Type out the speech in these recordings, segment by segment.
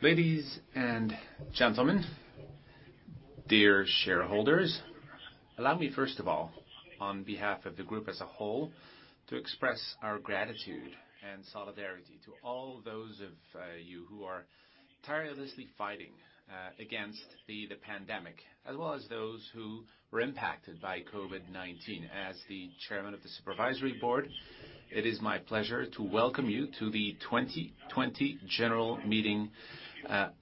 Ladies and gentlemen, dear shareholders, allow me, first of all, on behalf of the group as a whole, to express our gratitude and solidarity to all those of you who are tirelessly fighting against the pandemic, as well as those who were impacted by COVID-19. As the Chairman of the Supervisory Board, it is my pleasure to welcome you to the 2020 general meeting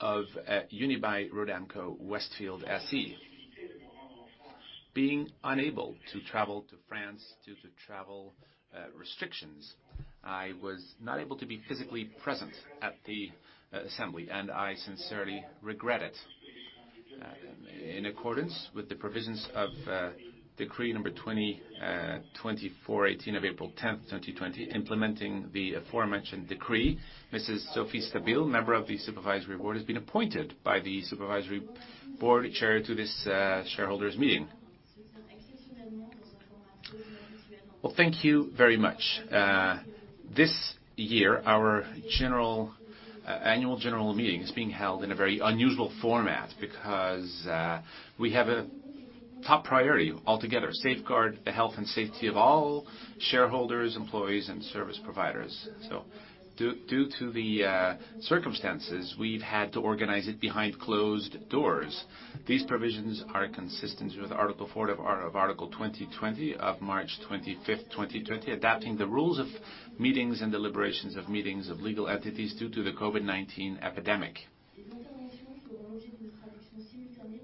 of Unibail-Rodamco-Westfield SE. Being unable to travel to France due to travel restrictions, I was not able to be physically present at the assembly, and I sincerely regret it. In accordance with the provisions of decree number 2020-418 of April tenth, 2020, implementing the aforementioned decree, Mrs. Sophie Stabile, member of the Supervisory Board, has been appointed by the Supervisory Board Chair to this shareholders' meeting. Well, thank you very much. This year, our annual general meeting is being held in a very unusual format because we have a top priority altogether: safeguard the health and safety of all shareholders, employees, and service providers. So due to the circumstances, we've had to organize it behind closed doors. These provisions are consistent with Article 4 of the ordinance of March 25, 2020, adapting the rules of meetings and deliberations of meetings of legal entities due to the COVID-19 epidemic.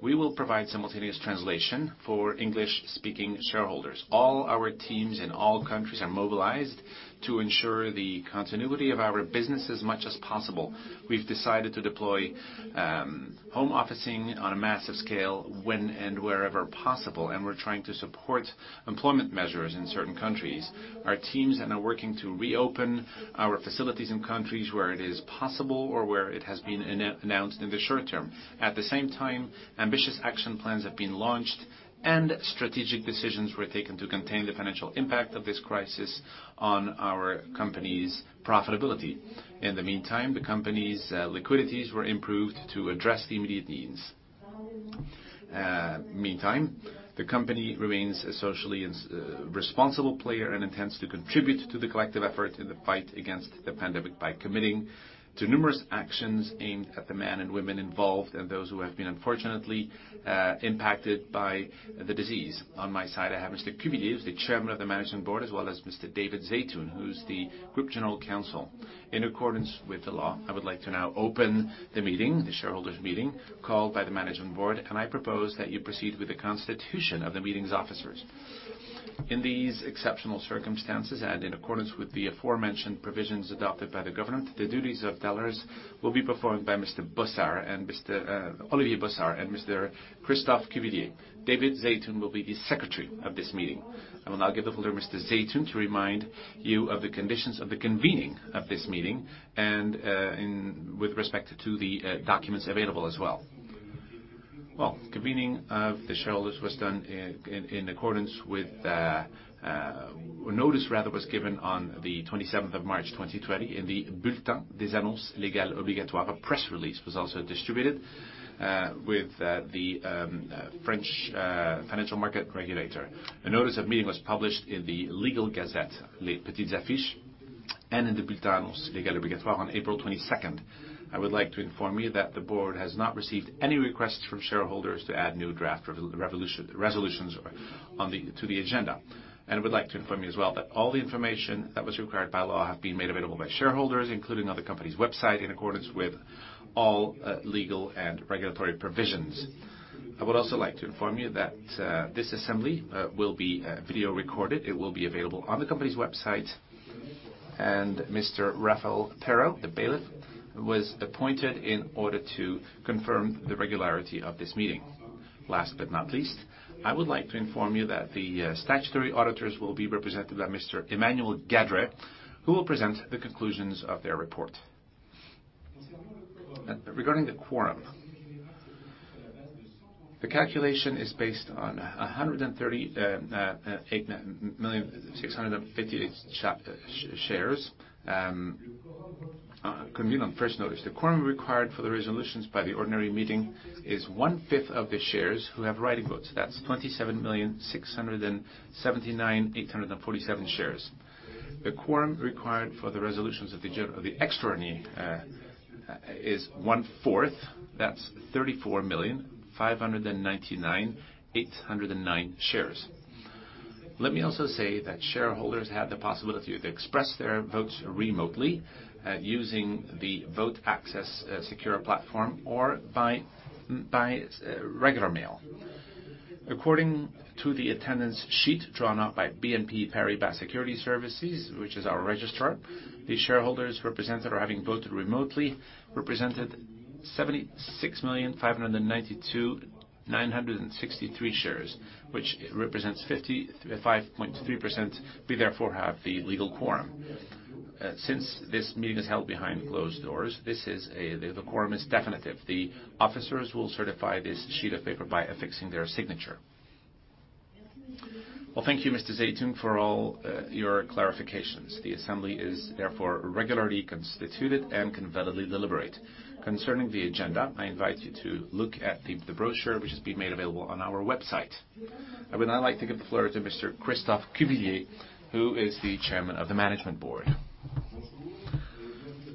We will provide simultaneous translation for English-speaking shareholders. All our teams in all countries are mobilized to ensure the continuity of our business as much as possible. We've decided to deploy home officing on a massive scale when and wherever possible, and we're trying to support employment measures in certain countries. Our teams are now working to reopen our facilities in countries where it is possible or where it has been announced in the short term. At the same time, ambitious action plans have been launched, and strategic decisions were taken to contain the financial impact of this crisis on our company's profitability. In the meantime, the company's liquidities were improved to address the immediate needs. Meantime, the company remains a socially responsible player and intends to contribute to the collective effort in the fight against the pandemic by committing to numerous actions aimed at the men and women involved and those who have been unfortunately impacted by the disease. On my side, I have Mr. Cuvillier, the Chairman of the Management Board, as well as Mr. David Zeitoun, who is the Group General Counsel. In accordance with the law, I would like to now open the meeting, the shareholders' meeting, called by the Management Board, and I propose that you proceed with the constitution of the meeting's officers. In these exceptional circumstances, and in accordance with the aforementioned provisions adopted by the government, the duties of tellers will be performed by Mr. Olivier Bossard and Mr. Christophe Cuvillier. David Zeitoun will be the secretary of this meeting. I will now give the floor to Mr. Zeitoun to remind you of the conditions of the convening of this meeting and with respect to the documents available as well. Well, the convening of the shareholders was done in accordance with. Notice rather was given on the twenty-seventh of March, 2020, in the Bulletin des Annonces Légales Obligatoires. A press release was also distributed with the French financial market regulator. A notice of meeting was published in the Legal Gazette, Les Petites Affiches, and in the Bulletin des Annonces Légales Obligatoires on April twenty-second. I would like to inform you that the board has not received any requests from shareholders to add new draft resolutions to the agenda. I would like to inform you as well, that all the information that was required by law have been made available by shareholders, including on the company's website, in accordance with all legal and regulatory provisions. I would also like to inform you that this assembly will be video recorded. It will be available on the company's website, and Mr. Raphaël Péraud, the bailiff, was appointed in order to confirm the regularity of this meeting. Last but not least, I would like to inform you that the statutory auditors will be represented by Mr. Emmanuel Gadrey, who will present the conclusions of their report. Regarding the quorum, the calculation is based on a hundred and thirty million six hundred and fifty-eight shares convened on first notice. The quorum required for the resolutions by the ordinary meeting is one-fifth of the shares who have writing votes. That's twenty-seven million six hundred and seventy-nine thousand eight hundred and forty-seven shares. The quorum required for the resolutions of the extraordinary is one-fourth. That's thirty-four million five hundred and ninety-nine thousand eight hundred and nine shares. Let me also say that shareholders have the possibility to express their votes remotely using the Votaccess secure platform or by regular mail. According to the attendance sheet drawn up by BNP Paribas Securities Services, which is our registrar, the shareholders represented or having voted remotely represented 76,592,963 shares, which represents 55.3%. We therefore have the legal quorum. Since this meeting is held behind closed doors, the quorum is definitive. The officers will certify this sheet of paper by affixing their signature. Thank you, Mr. Zeitoun, for all your clarifications. The assembly is therefore regularly constituted and can validly deliberate. Concerning the agenda, I invite you to look at the brochure, which has been made available on our website. I would now like to give the floor to Mr. Christophe Cuvillier, who is the Chairman of the Management Board.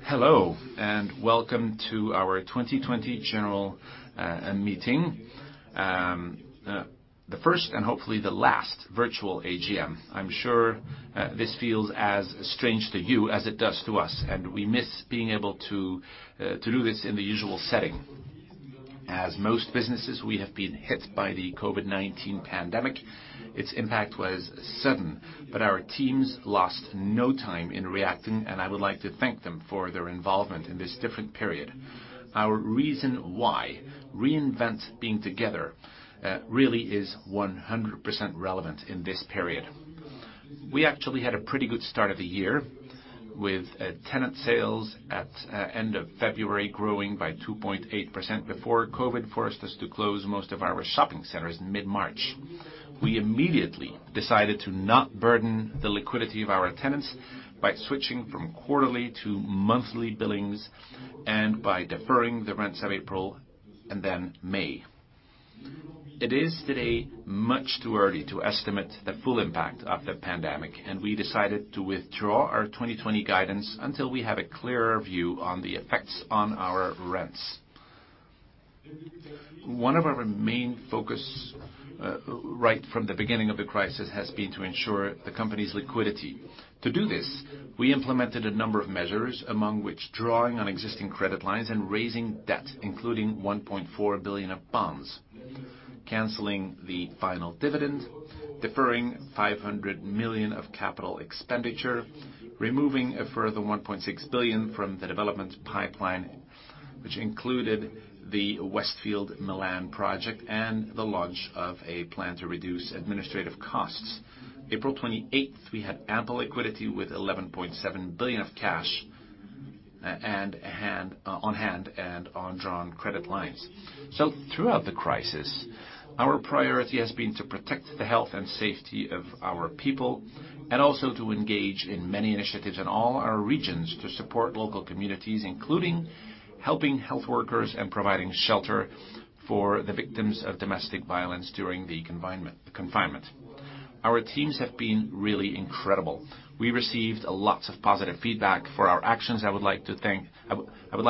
Hello, and welcome to our 2020 general meeting. The first and hopefully the last virtual AGM. I'm sure this feels as strange to you as it does to us, and we miss being able to do this in the usual setting. As most businesses, we have been hit by the COVID-19 pandemic. Its impact was sudden, but our teams lost no time in reacting, and I would like to thank them for their involvement in this different period. Our reason why, reinvent being together, really is 100% relevant in this period. We actually had a pretty good start of the year, with tenant sales at end of February growing by 2.8% before COVID forced us to close most of our shopping centers mid-March. We immediately decided to not burden the liquidity of our tenants by switching from quarterly to monthly billings and by deferring the rents of April and then May. It is today much too early to estimate the full impact of the pandemic, and we decided to withdraw our 2020 guidance until we have a clearer view on the effects on our rents. One of our main focus, right from the beginning of the crisis, has been to ensure the company's liquidity. To do this, we implemented a number of measures, among which drawing on existing credit lines and raising debt, including 1.4 billion of bonds, canceling the final dividend, deferring 500 million of capital expenditure, removing a further 1.6 billion from the development pipeline, which included the Westfield Milan project, and the launch of a plan to reduce administrative costs. April twenty-eighth, we had ample liquidity with 11.7 billion of cash on hand and undrawn credit lines. So throughout the crisis, our priority has been to protect the health and safety of our people, and also to engage in many initiatives in all our regions to support local communities, including helping health workers and providing shelter for the victims of domestic violence during the confinement. Our teams have been really incredible. We received lots of positive feedback for our actions. I would like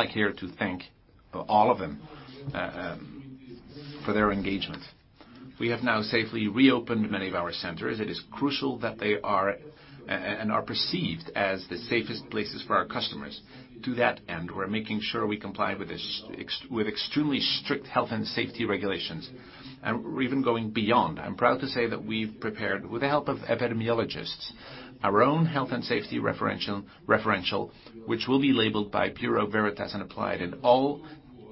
here to thank all of them for their engagement. We have now safely reopened many of our centers. It is crucial that they are and are perceived as the safest places for our customers. To that end, we're making sure we comply with this, with extremely strict health and safety regulations, and we're even going beyond. I'm proud to say that we've prepared, with the help of epidemiologists, our own health and safety referential, which will be labeled by Bureau Veritas and applied in all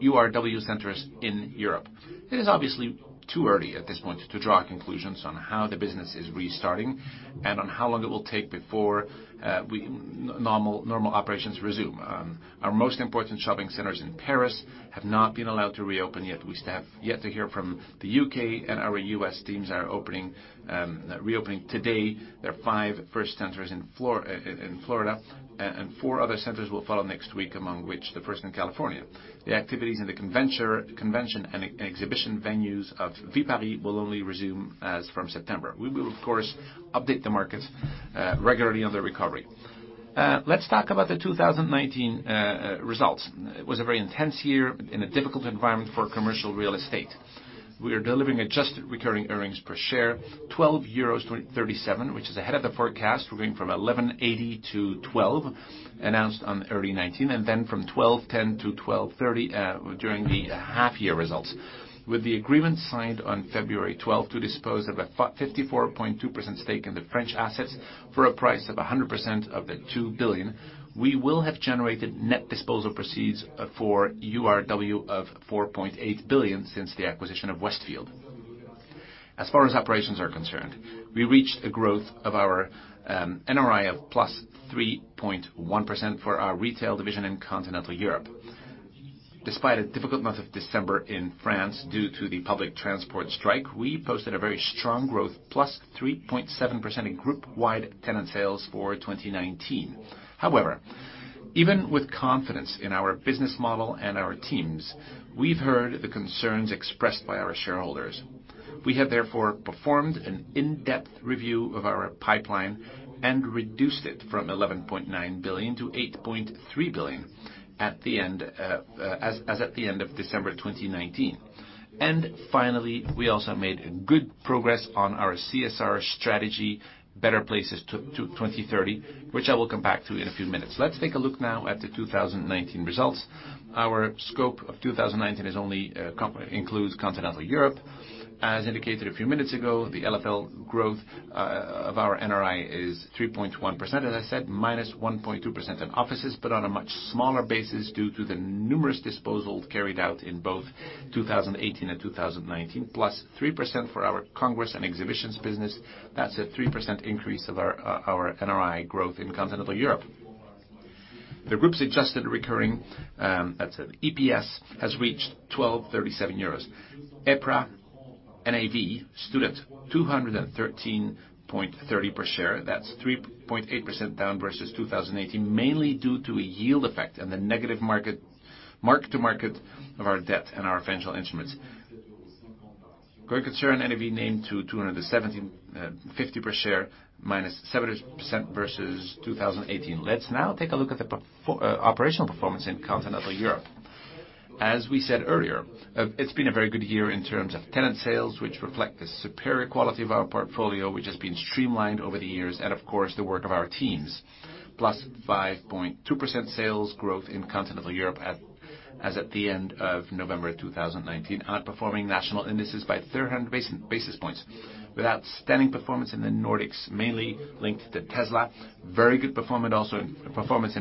URW centers in Europe. It is obviously too early at this point to draw conclusions on how the business is restarting and on how long it will take before we normal operations resume. Our most important shopping centers in Paris have not been allowed to reopen yet. We still have yet to hear from the UK, and our US teams are opening, reopening today. There are five first centers in Florida, and four other centers will follow next week, among which the first in California. The activities in the convention and exhibition venues of Viparis will only resume as from September. We will, of course, update the markets regularly on the recovery. Let's talk about the 2019 results. It was a very intense year in a difficult environment for commercial real estate. We are delivering adjusted recurring earnings per share 12.37 euros, which is ahead of the forecast. We're going from 11.80 to 12, announced on early 2019, and then from 12.10 to 12.30 during the half-year results. With the agreement signed on February twelfth to dispose of a 54.2% stake in the French assets for a price of 100% of the €2 billion, we will have generated net disposal proceeds for URW of €4.8 billion since the acquisition of Westfield. As far as operations are concerned, we reached a growth of our NRI of +3.1% for our retail division in continental Europe. Despite a difficult month of December in France due to the public transport strike, we posted a very strong growth, +3.7% in group-wide tenant sales for twenty nineteen. However, even with confidence in our business model and our teams, we've heard the concerns expressed by our shareholders. We have therefore performed an in-depth review of our pipeline and reduced it from 11.9 billion to 8.3 billion at the end of December twenty nineteen. Finally, we also made good progress on our CSR strategy, Better Places 2030, which I will come back to in a few minutes. Let's take a look now at the two thousand nineteen results. Our scope of two thousand nineteen is only, includes continental Europe. As indicated a few minutes ago, the LFL growth of our NRI is 3.1%, as I said, -1.2% in offices, but on a much smaller basis due to the numerous disposals carried out in both two thousand eighteen and two thousand nineteen, +3% for our congress and exhibitions business. That's a 3% increase of our NRI growth in continental Europe. The group's adjusted recurring, that's EPS, has reached 1,237 euros. EPRA NAV stood at 213.30 EUR per share. That's 3.8% down versus 2018, mainly due to a yield effect and the negative market mark-to-market of our debt and our financial instruments. Group's EPRA NAV came to €217.50 per share, -7% versus 2018. Let's now take a look at the operational performance in Continental Europe. As we said earlier, it's been a very good year in terms of tenant sales, which reflect the superior quality of our portfolio, which has been streamlined over the years, and of course, the work of our teams. +5.2% sales growth in Continental Europe as at the end of November 2019, outperforming national indices by 300 basis points. With outstanding performance in the Nordics, mainly linked to Tesla. Very good performance also in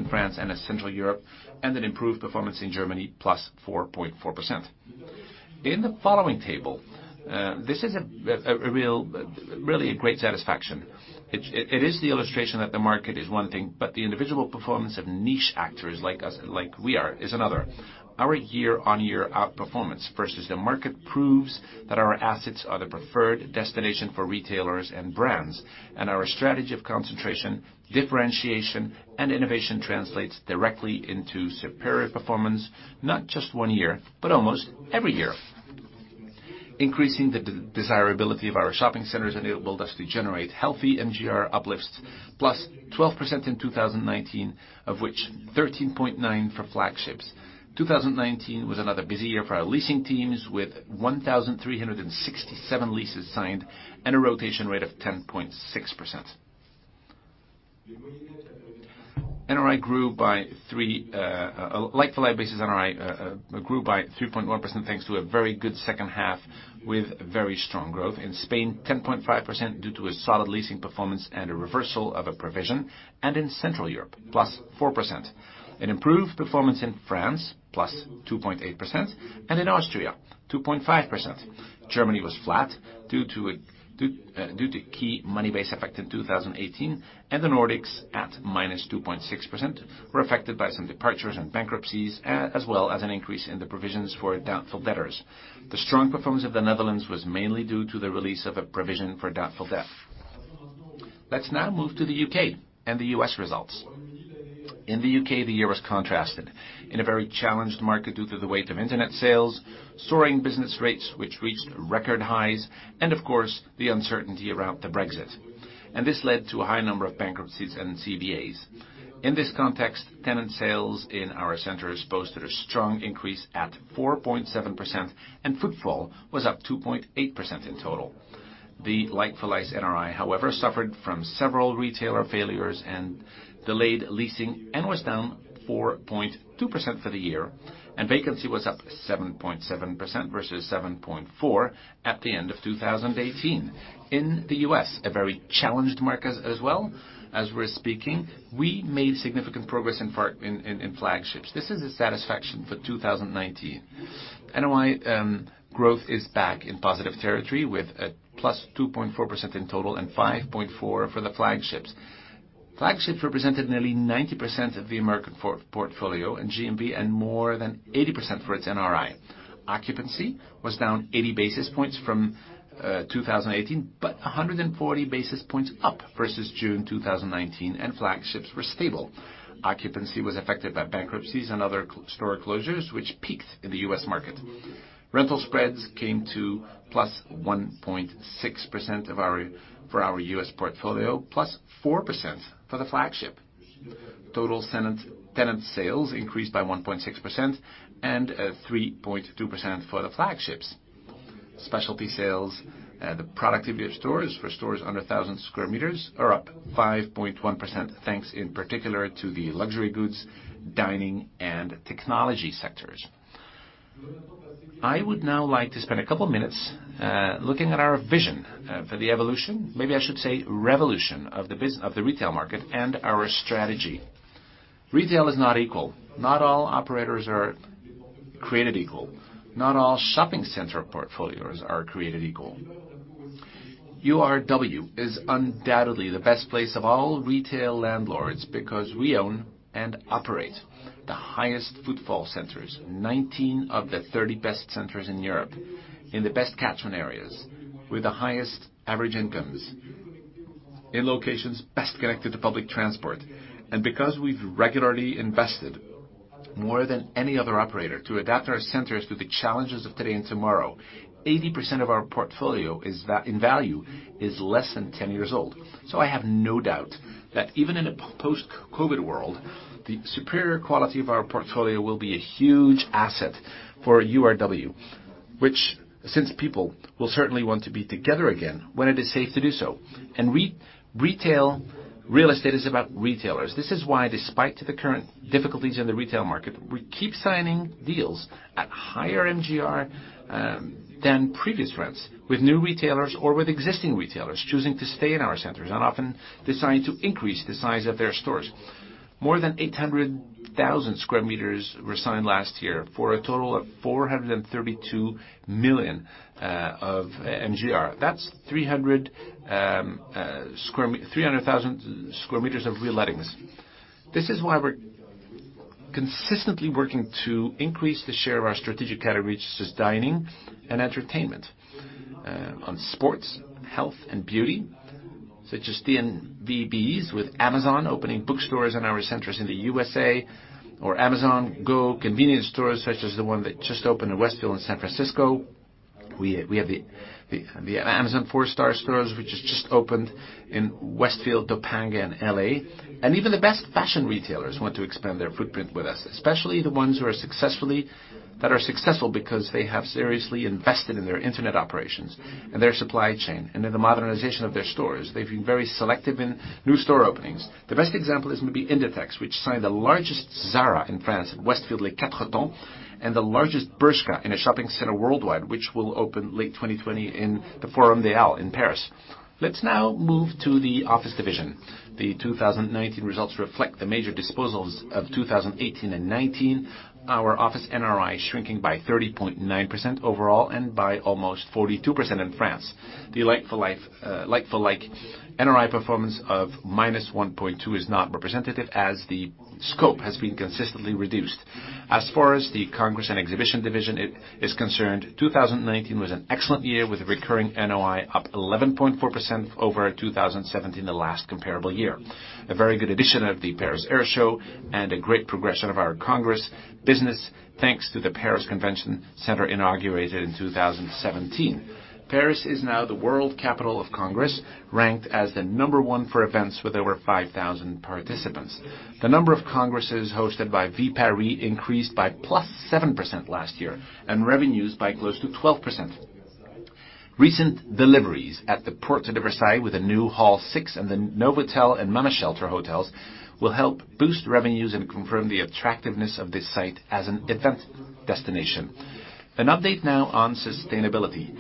France and in Central Europe, and an improved performance in Germany, +4.4%. In the following table, this is a real, really great satisfaction. It is the illustration that the market is one thing, but the individual performance of niche actors like us, like we are, is another. Our year-on-year outperformance versus the market proves that our assets are the preferred destination for retailers and brands, and our strategy of concentration, differentiation, and innovation translates directly into superior performance, not just one year, but almost every year. Increasing the desirability of our shopping centers enabled us to generate healthy MGR uplifts, +12% in 2019, of which 13.9% for flagships. Two thousand and nineteen was another busy year for our leasing teams, with 1,367 leases signed and a rotation rate of 10.6%. Like-for-like basis NRI grew by 3.1%, thanks to a very good second half, with very strong growth. In Spain, 10.5% due to a solid leasing performance and a reversal of a provision, and in Central Europe, +4%. An improved performance in France, +2.8%, and in Austria, 2.5%. Germany was flat due to key money base effect in two thousand and eighteen, and the Nordics, at -2.6%, were affected by some departures and bankruptcies, as well as an increase in the provisions for doubtful debtors. The strong performance of the Netherlands was mainly due to the release of a provision for doubtful debt. Let's now move to the U.K. and the U.S. results. In the U.K., the year was contrasted. In a very challenged market due to the weight of internet sales, soaring business rates, which reached record highs, and of course, the uncertainty around the Brexit, and this led to a high number of bankruptcies and CVAs. In this context, tenant sales in our centers posted a strong increase at 4.7%, and footfall was up 2.8% in total. The like-for-like NRI, however, suffered from several retailer failures and delayed leasing, and was down 4.2% for the year, and vacancy was up 7.7% versus 7.4 at the end of 2018. In the US, a very challenged market as we're speaking, we made significant progress in flagships. This is satisfactory for 2019. NRI growth is back in positive territory, with a +2.4% in total and 5.4% for the flagships. Flagships represented nearly 90% of the American portfolio and GMV, and more than 80% for its NRI. Occupancy was down 80 basis points from 2018, but 140 basis points up versus June 2019, and flagships were stable. Occupancy was affected by bankruptcies and other store closures, which peaked in the US market. Rental spreads came to +1.6% for our US portfolio, +4% for the flagship. Total tenant sales increased by 1.6% and 3.2% for the flagships. Specialty sales, the productivity of stores, for stores under 1,000 square meters, are up 5.1%, thanks in particular to the luxury goods, dining, and technology sectors. I would now like to spend a couple minutes looking at our vision for the evolution, maybe I should say, revolution of the business of the retail market and our strategy. Retail is not equal. Not all operators are created equal. Not all shopping center portfolios are created equal. URW is undoubtedly the best place of all retail landlords because we own and operate the highest footfall centers, 19 of the 30 best centers in Europe, in the best catchment areas, with the highest average incomes, in locations best connected to public transport. And because we've regularly invested more than any other operator to adapt our centers to the challenges of today and tomorrow, 80% of our portfolio, in value, is less than 10 years old. So I have no doubt that even in a post-COVID world, the superior quality of our portfolio will be a huge asset for URW, which since people will certainly want to be together again when it is safe to do so. And retail real estate is about retailers. This is why, despite the current difficulties in the retail market, we keep signing deals at higher MGR than previous rents, with new retailers or with existing retailers choosing to stay in our centers, and often deciding to increase the size of their stores. More than 800,000 square meters were signed last year for a total of 432 million of MGR. That's 300,000 square meters of relettings. This is why we're consistently working to increase the share of our strategic categories, such as dining and entertainment, on sports, health, and beauty, such as DNVB, with Amazon opening bookstores in our centers in the USA or Amazon Go convenience stores, such as the one that just opened in Westfield in San Francisco. We have the Amazon 4-star stores, which has just opened in Westfield Topanga in LA. Even the best fashion retailers want to expand their footprint with us, especially the ones that are successful because they have seriously invested in their internet operations and their supply chain, and in the modernization of their stores. They've been very selective in new store openings. The best example is maybe Inditex, which signed the largest Zara in France, Westfield Les Quatre Temps, and the largest Bershka in a shopping center worldwide, which will open late 2020 in the Forum des Halles in Paris. Let's now move to the office division. The 2019 results reflect the major disposals of 2018 and 2019. Our office NRI shrinking by 30.9% overall, and by almost 42% in France. The like-for-like NRI performance of minus 1.2 is not representative, as the scope has been consistently reduced. As far as the Congress and Exhibition division is concerned, two thousand and nineteen was an excellent year, with recurring NOI up 11.4% over two thousand and seventeen, the last comparable year. A very good addition of the Paris Air Show, and a great progression of our Congress business, thanks to the Paris Convention Center, inaugurated in two thousand and seventeen. Paris is now the world capital of Congress, ranked as the number one for events with over 5,000 participants. The number of congresses hosted by Viparis increased by +7% last year and revenues by close to 12%. Recent deliveries at the Porte de Versailles, with a new Hall 6 and the Novotel and Mama Shelter hotels, will help boost revenues and confirm the attractiveness of this site as an event destination. An update now on sustainability.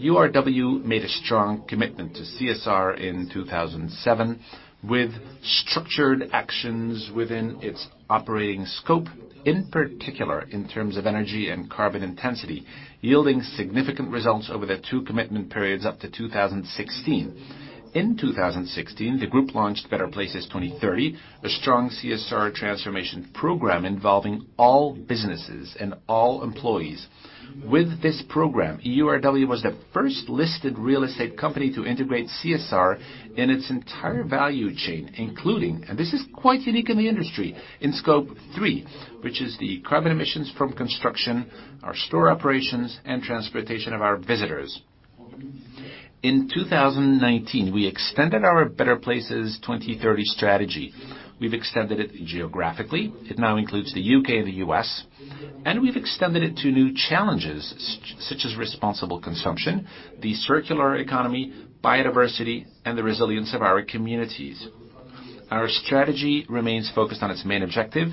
URW made a strong commitment to CSR in 2007, with structured actions within its operating scope, in particular in terms of energy and carbon intensity, yielding significant results over the two commitment periods up to 2016. In 2016, the group launched Better Places 2030, a strong CSR transformation program involving all businesses and all employees. With this program, URW was the first listed real estate company to integrate CSR in its entire value chain, including, and this is quite unique in the industry, in Scope 3, which is the carbon emissions from construction, our store operations, and transportation of our visitors. In two thousand and nineteen, we extended our Better Places 2030 strategy. We've extended it geographically. It now includes the U.K. and the U.S., and we've extended it to new challenges, such as responsible consumption, the circular economy, biodiversity, and the resilience of our communities. Our strategy remains focused on its main objective,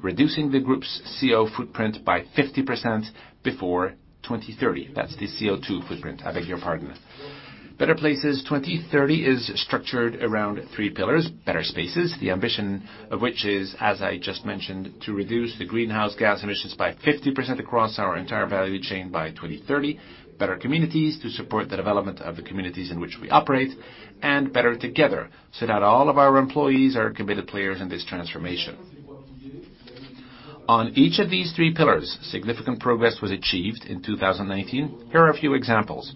reducing the group's CO footprint by 50% before twenty thirty. That's the CO two footprint, I beg your pardon. Better Places 2030 is structured around three pillars. Better Spaces, the ambition of which is, as I just mentioned, to reduce the greenhouse gas emissions by 50% across our entire value chain by twenty thirty. Better Communities, to support the development of the communities in which we operate. And Better Together, so that all of our employees are committed players in this transformation. On each of these three pillars, significant progress was achieved in two thousand and nineteen. Here are a few examples: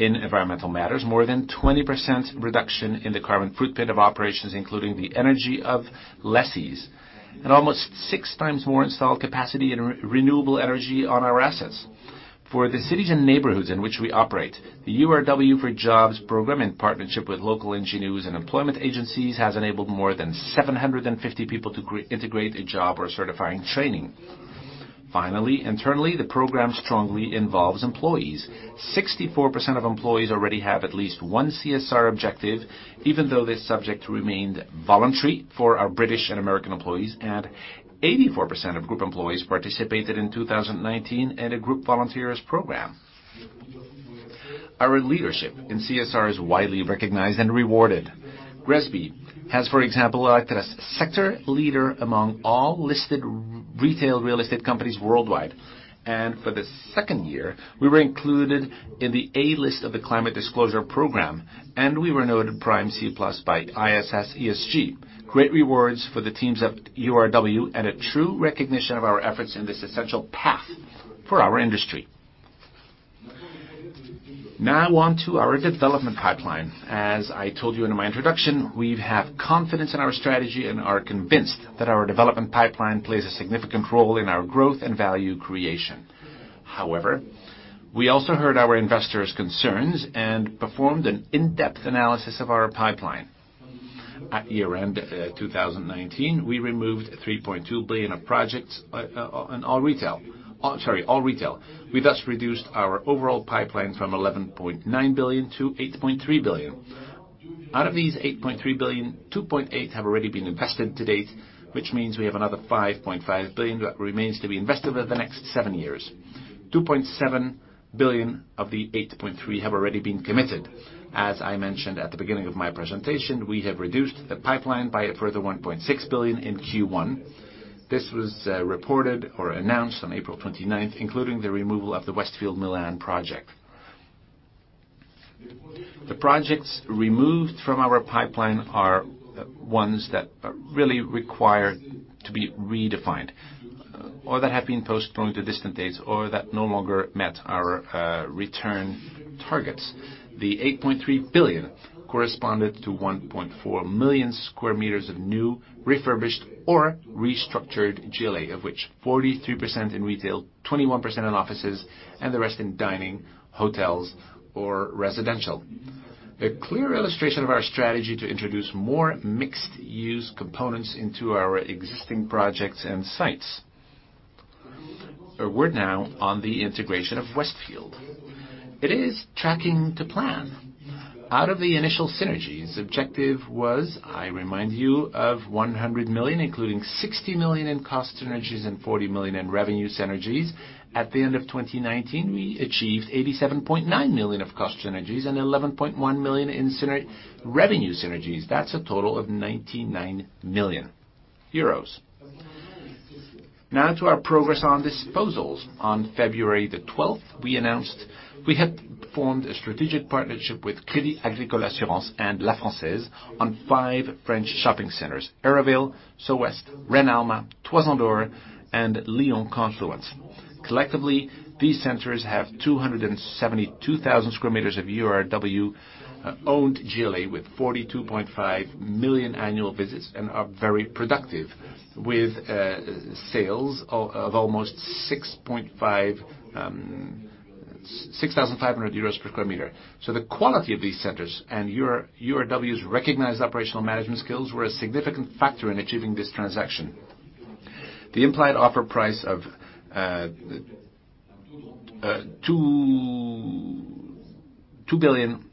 In environmental matters, more than 20% reduction in the carbon footprint of operations, including the energy of lessees, and almost six times more installed capacity in renewable energy on our assets. For the cities and neighborhoods in which we operate, the URW for Jobs program, in partnership with local engineers and employment agencies, has enabled more than 750 people to integrate a job or certifying training. Finally, internally, the program strongly involves employees. 64% of employees already have at least one CSR objective, even though this subject remained voluntary for our British and American employees, and 84% of group employees participated in two thousand and nineteen in a group volunteers program. Our leadership in CSR is widely recognized and rewarded. GRESB has, for example, elected us sector leader among all listed retail real estate companies worldwide. And for the second year, we were included in the A list of the Climate Disclosure Program, and we were noted Prime C+ by ISS ESG. Great rewards for the teams at URW, and a true recognition of our efforts in this essential path for our industry. Now on to our development pipeline. As I told you in my introduction, we have confidence in our strategy and are convinced that our development pipeline plays a significant role in our growth and value creation. However, we also heard our investors' concerns and performed an in-depth analysis of our pipeline. At year-end, 2019, we removed 3.2 billion of projects in all retail. Sorry, all retail. We thus reduced our overall pipeline from 11.9 billion to 8.3 billion. Out of these 8.3 billion, 2.8 billion have already been invested to date, which means we have another 5.5 billion that remains to be invested over the next seven years. 2.7 billion of the 8.3 billion have already been committed. As I mentioned at the beginning of my presentation, we have reduced the pipeline by a further 1.6 billion in Q1. This was reported or announced on April twenty-ninth, including the removal of the Westfield Milan project. The projects removed from our pipeline are ones that are really required to be redefined, or that have been postponed to distant dates, or that no longer met our return targets. The 8.3 billion corresponded to 1.4 million square meters of new, refurbished, or restructured GLA, of which 43% in retail, 21% in offices, and the rest in dining, hotels, or residential. A clear illustration of our strategy to introduce more mixed-use components into our existing projects and sites. A word now on the integration of Westfield. It is tracking to plan. Out of the initial synergies, objective was, I remind you, of 100 million, including 60 million in cost synergies and 40 million in revenue synergies. At the end of 2019, we achieved 87.9 million of cost synergies and 11.1 million in revenue synergies. That's a total of 99 million euros. Now to our progress on disposals. On February the twelfth, we announced we had formed a strategic partnership with Crédit Agricole Assurances and La Française on five French shopping centers, Aéroville, So Ouest, Centre Alma, Toison d'Or, and Confluence. Collectively, these centers have 272,000 square meters of URW owned GLA, with 42.5 million annual visits, and are very productive, with sales of almost 6,500 euros per square meter. So the quality of these centers and URW's recognized operational management skills were a significant factor in achieving this transaction. The implied offer price of 2 billion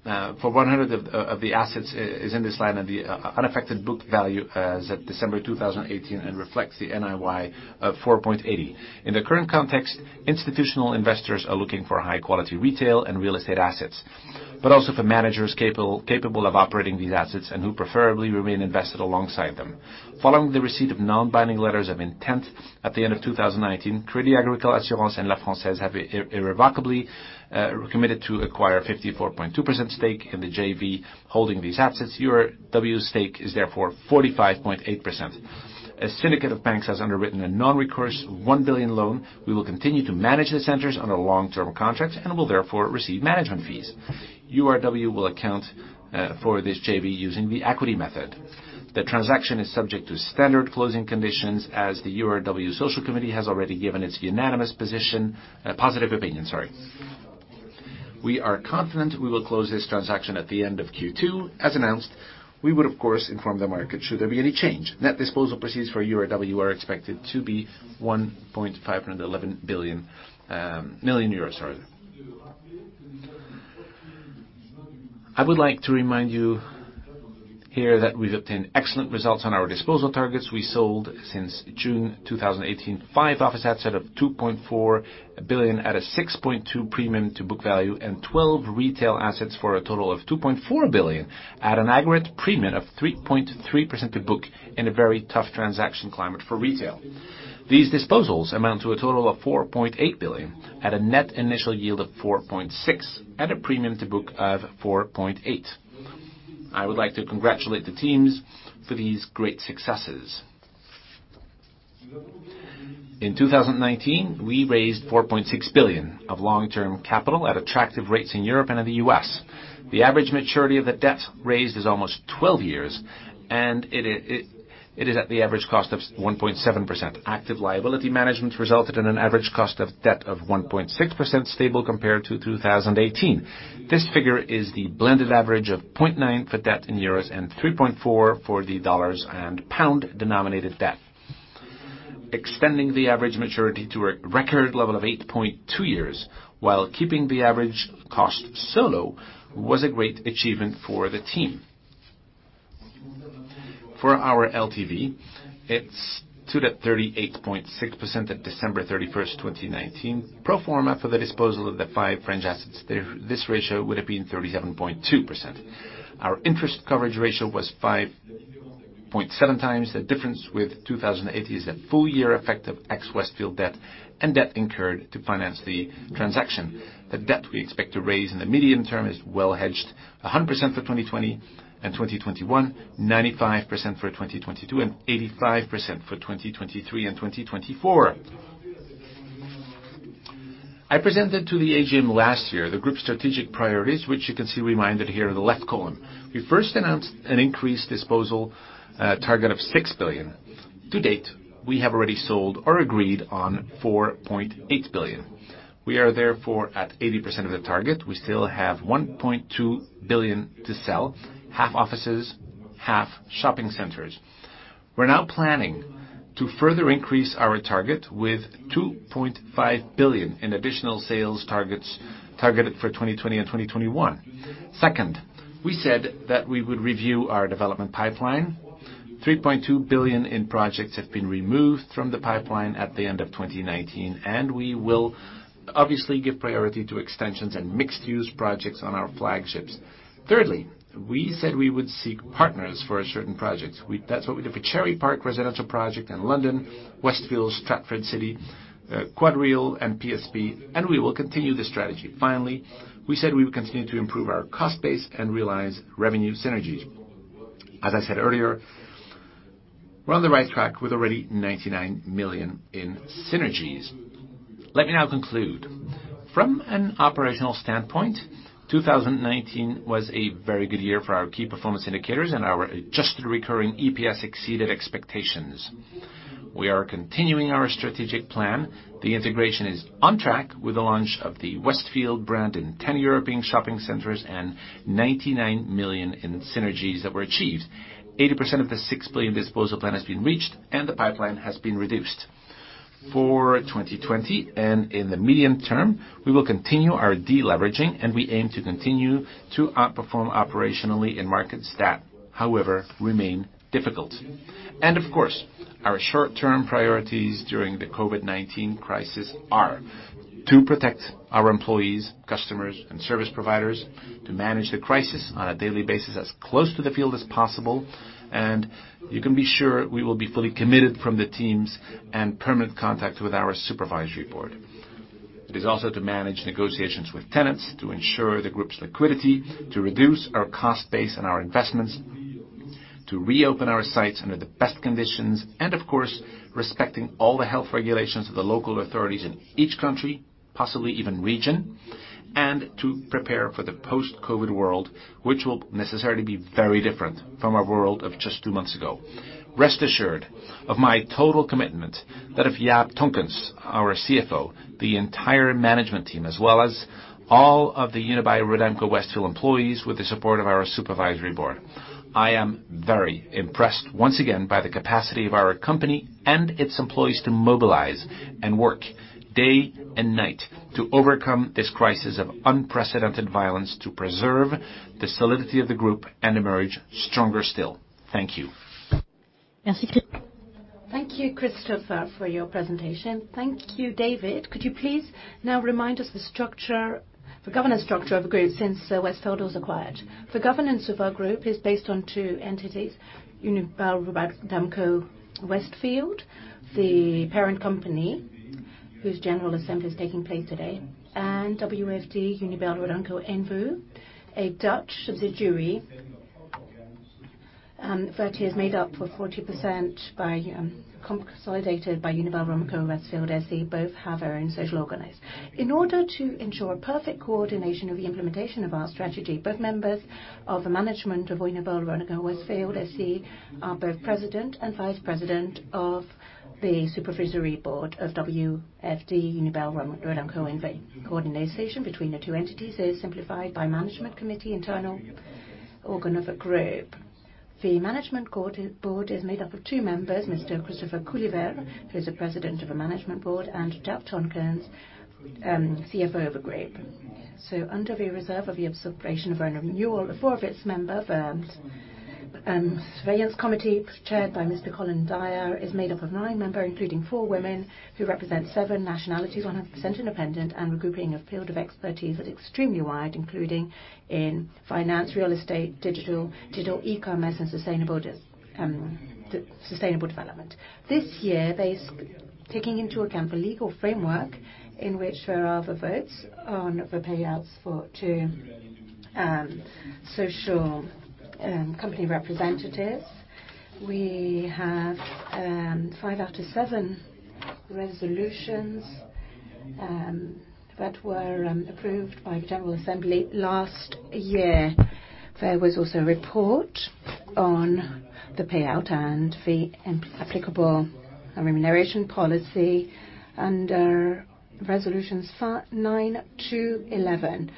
for 100% of the assets is in this line, and the unaffected book value as at December 2018 reflects the NIY of 4.80%. In the current context, institutional investors are looking for high-quality retail and real estate assets, but also for managers capable of operating these assets and who preferably remain invested alongside them. Following the receipt of non-binding letters of intent at the end of two thousand and nineteen, Crédit Agricole Assurances and La Française have irrevocably committed to acquire a 54.2% stake in the JV holding these assets. URW's stake is therefore 45.8%. A syndicate of banks has underwritten a non-recourse 1 billion loan. We will continue to manage the centers on a long-term contract and will therefore receive management fees. URW will account for this JV using the equity method. The transaction is subject to standard closing conditions, as the URW social committee has already given its unanimous position, positive opinion, sorry. We are confident we will close this transaction at the end of Q2. As announced, we would, of course, inform the market should there be any change. Net disposal proceeds for URW are expected to be 1.511 million euros, sorry. I would like to remind you here that we've obtained excellent results on our disposal targets. We sold, since June 2018, five office assets of 2.4 billion at a 6.2% premium to book value, and 12 retail assets for a total of 2.4 billion, at an aggregate premium of 3.3% to book in a very tough transaction climate for retail. These disposals amount to a total of 4.8 billion, at a net initial yield of 4.6%, at a premium to book of 4.8%. I would like to congratulate the teams for these great successes. In 2019, we raised 4.6 billion of long-term capital at attractive rates in Europe and in the US. The average maturity of the debt raised is almost 12 years, and it is at the average cost of 1.7%. Active liability management resulted in an average cost of debt of 1.6%, stable compared to 2018. This figure is the blended average of 0.9% for debt in euros and 3.4% for the dollars and pound-denominated debt. Extending the average maturity to a record level of 8.2 years, while keeping the average cost so low, was a great achievement for the team. For our LTV, it stood at 38.6% at December 31, 2019. Pro forma, for the disposal of the five French assets, this ratio would have been 37.2%. Our interest coverage ratio was 5.7 times. The difference with 2018 is the full year effect of ex-Westfield debt and debt incurred to finance the transaction. The debt we expect to raise in the medium term is well hedged, 100% for 2020 and 2021, 95% for 2022, and 85% for 2023 and 2024. I presented to the AGM last year the group's strategic priorities, which you can see reminded here in the left column. We first announced an increased disposal target of 6 billion. To date, we have already sold or agreed on 4.8 billion. We are therefore at 80% of the target. We still have 1.2 billion to sell, half offices, half shopping centers. We're now planning to further increase our target with 2.5 billion in additional sales targets, targeted for 2020 and 2021. Second, we said that we would review our development pipeline. 3.2 billion in projects have been removed from the pipeline at the end of 2019, and we will obviously give priority to extensions and mixed-use projects on our flagships. Thirdly, we said we would seek partners for certain projects. That's what we did for Cherry Park residential project in London, Westfield Stratford City, QuadReal, and PSP, and we will continue this strategy. Finally, we said we would continue to improve our cost base and realize revenue synergies. As I said earlier, we're on the right track with already 99 million in synergies. Let me now conclude. From an operational standpoint, two thousand and nineteen was a very good year for our key performance indicators, and our adjusted recurring EPS exceeded expectations. We are continuing our strategic plan. The integration is on track with the launch of the Westfield brand in 10 European shopping centers and 99 million in synergies that were achieved. 80% of the 6 billion disposal plan has been reached, and the pipeline has been reduced. For 2020, and in the medium term, we will continue our de-leveraging, and we aim to continue to outperform operationally in markets that, however, remain difficult. Of course, our short-term priorities during the COVID-19 crisis are to protect our employees, customers, and service providers, to manage the crisis on a daily basis, as close to the field as possible, and you can be sure we will be fully committed from the teams and in permanent contact with our Supervisory Board. It is also to manage negotiations with tenants, to ensure the group's liquidity, to reduce our cost base and our investments, to reopen our sites under the best conditions, and of course, respecting all the health regulations of the local authorities in each country, possibly even region, and to prepare for the post-COVID world, which will necessarily be very different from our world of just two months ago. Rest assured of my total commitment, that of Jaap Tonkens, our CFO, the entire management team, as well as all of the Unibail-Rodamco-Westfield employees, with the support of our Supervisory Board. I am very impressed once again by the capacity of our company and its employees to mobilize and work day and night to overcome this crisis of unprecedented violence, to preserve the solidity of the group and emerge stronger still. Thank you. Thank you, Christophe, for your presentation. Thank you, David. Could you please now remind us the structure, the governance structure of the group since Westfield was acquired? The governance of our group is based on two entities, Unibail-Rodamco-Westfield, the parent company, whose general assembly is taking place today, and WFD Unibail-Rodamco N.V., a Dutch subsidiary that is made up of 40% consolidated by Unibail-Rodamco-Westfield, as they both have their own social organization. In order to ensure perfect coordination of the implementation of our strategy, both members of the management of Unibail-Rodamco-Westfield SE are both president and vice president of the Supervisory Board of WFD Unibail-Rodamco N.V. Coordination between the two entities is simplified by Management Committee, internal organ of the group. The Management Board is made up of two members, Mr. Christophe Cuvillier, who is the president of the Management Board, and Jaap Tonkens, CFO of the group. So under the reserve of the observation of renewal, the four of its members, Supervisory Board, chaired by Mr. Colin Dyer, is made up of nine members, including four women, who represent seven nationalities, 100% independent, and regrouping a field of expertise that extremely wide, including in finance, real estate, digital, e-commerce, and sustainable development. This year, they taking into account the legal framework in which there are the votes on the payouts for to social company representatives. We have five out of seven resolutions that were approved by General Assembly last year. There was also a report on the payout and the applicable remuneration policy under Resolutions Nine to Eleven.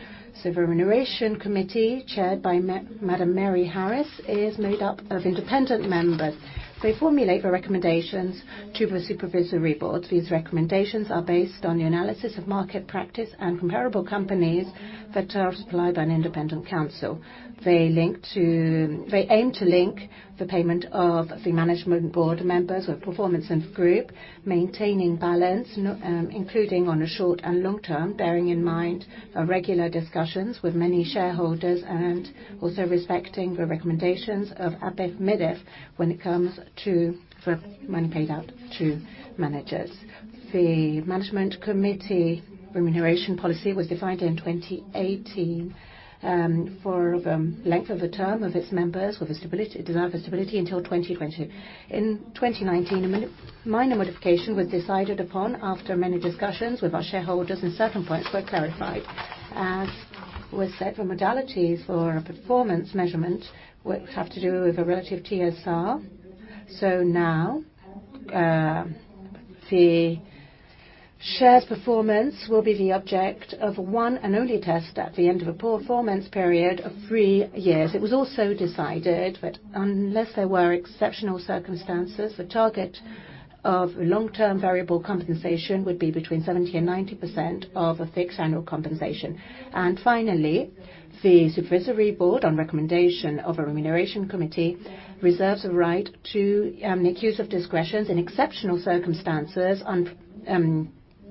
The Remuneration Committee, chaired by Madam Mary Harris, is made up of independent members. They formulate the recommendations to the Supervisory Board. These recommendations are based on the analysis of market practice and comparable companies that are supplied by an independent counsel. They aim to link the payment of the management board members with performance and group, maintaining balance, including on a short and long term, bearing in mind our regular discussions with many shareholders and also respecting the recommendations of AFEP-MEDEF when it comes to the money paid out to managers. The Management Board remuneration policy was defined in 2018, for the length of the term of its members, with a desire for stability, until 2020. In 2019, a minor modification was decided upon after many discussions with our shareholders, and certain points were clarified. As was said, the modalities for a performance measurement would have to do with a relative TSR. So now, the share performance will be the object of one and only test at the end of a performance period of three years. It was also decided that unless there were exceptional circumstances, the target of long-term variable compensation would be between 70% and 90% of the fixed annual compensation. And finally, the Supervisory Board, on recommendation of a Remuneration Committee, reserves the right to exercise discretion in exceptional circumstances,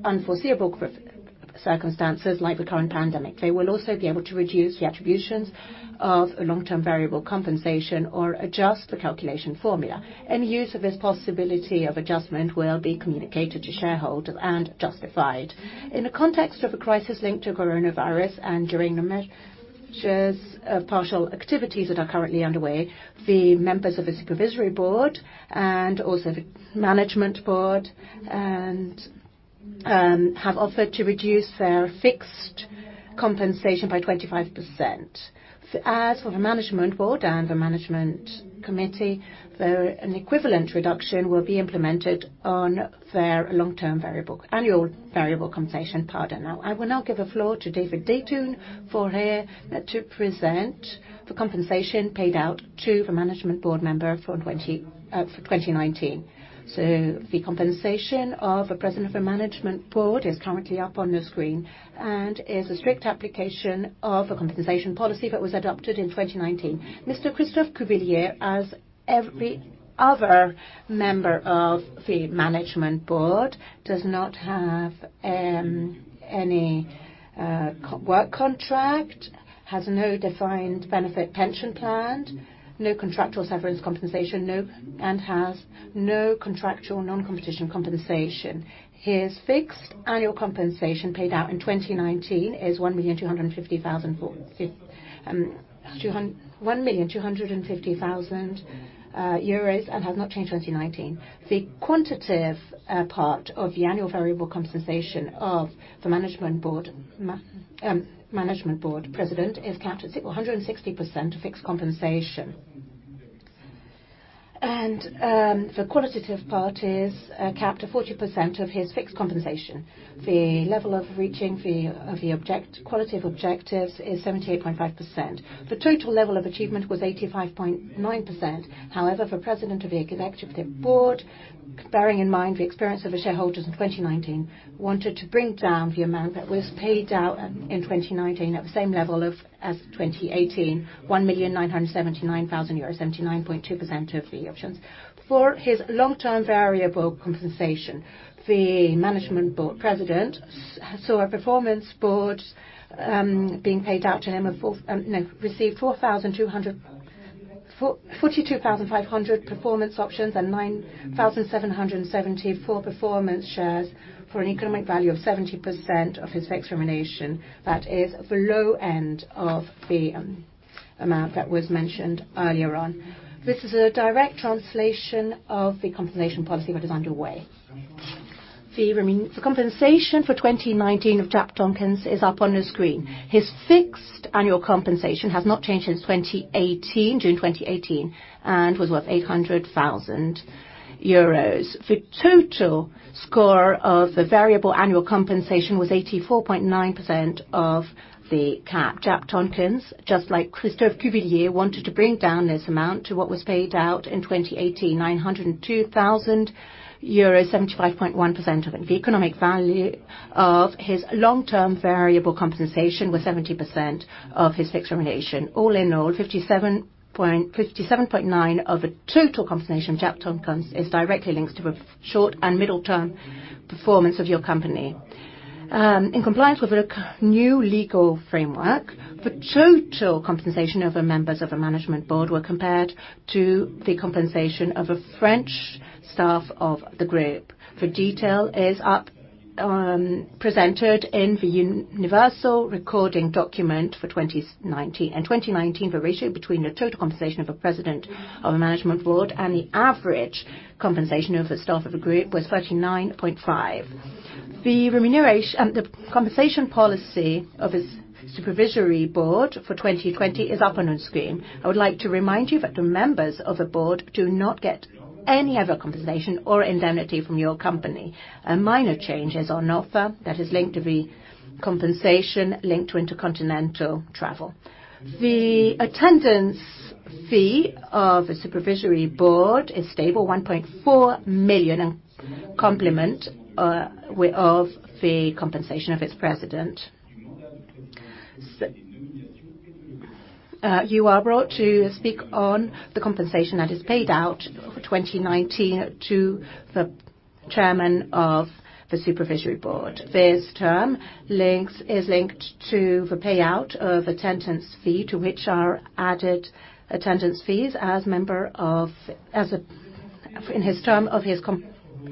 unforeseeable circumstances like the current pandemic. They will also be able to reduce the attributions of a long-term variable compensation or adjust the calculation formula. Any use of this possibility of adjustment will be communicated to shareholders and justified. In the context of a crisis linked to coronavirus and during the measures of partial activities that are currently underway, the members of the Supervisory Board and also the Management Board and have offered to reduce their fixed compensation by 25%. As for the Management Board and the management committee, an equivalent reduction will be implemented on their long-term variable, annual variable compensation, pardon. Now, I will give the floor to David Zeitoun here to present the compensation paid out to the management board member for twenty nineteen. So the compensation of the president of the Management Board is currently up on the screen, and is a strict application of the compensation policy that was adopted in twenty nineteen. Mr. Christophe Cuvillier, as every other member of the Management Board, does not have any employment contract, has no defined benefit pension plan, no contractual severance compensation, and has no contractual non-competition compensation. His fixed annual compensation paid out in 2019 is 1,250,000, and has not changed in 2019. The quantitative part of the annual variable compensation of the Management Board president is capped at 160% fixed compensation. The qualitative part is capped at 40% of his fixed compensation. The level of reaching the qualitative objectives is 78.5%. The total level of achievement was 85.9%. However, the President of the Management Board, bearing in mind the experience of the shareholders in 2019, wanted to bring down the amount that was paid out in 2019 at the same level as 2018, 1,979,000 euros, 79.2% of the options. For his long-term variable compensation, the Management Board President saw a performance award being paid out to him; he received 42,500 performance options and 9,774 performance shares for an economic value of 70% of his fixed remuneration. That is the low end of the amount that was mentioned earlier on. This is a direct translation of the compensation policy that is underway. The compensation for 2019 of Jaap Tonkens is up on the screen. His fixed annual compensation has not changed since 2018, June 2018, and was worth 800,000 euros. The total score of the variable annual compensation was 84.9% of the cap. Jaap Tonkens, just like Christophe Cuvillier, wanted to bring down this amount to what was paid out in 2018, 902,000 euros, 75.1% of it. The economic value of his long-term variable compensation was 70% of his fixed remuneration. All in all, 57.9% of the total compensation, Jaap Tonkens, is directly linked to the short and middle term performance of your company. In compliance with the new legal framework, the total compensation of the members of the Management Board were compared to the compensation of a French staff of the group. The detail is up, presented in the Universal Registration Document for 2019. In 2019, the ratio between the total compensation of the president of the Management Board and the average compensation of the staff of the group was 39.5. The remuneration, the compensation policy of the Supervisory Board for 2020 is up on the screen. I would like to remind you that the members of the board do not get any other compensation or indemnity from your company. A minor change is on offer that is linked to the compensation linked to intercontinental travel. The attendance fee of the Supervisory Board is stable, 1.4 million, and complemented with the compensation of its president. You are brought to speak on the compensation that is paid out for 2019 to the Chairman of the Supervisory Board. This term is linked to the payout of attendance fees, to which are added attendance fees as a member, in his term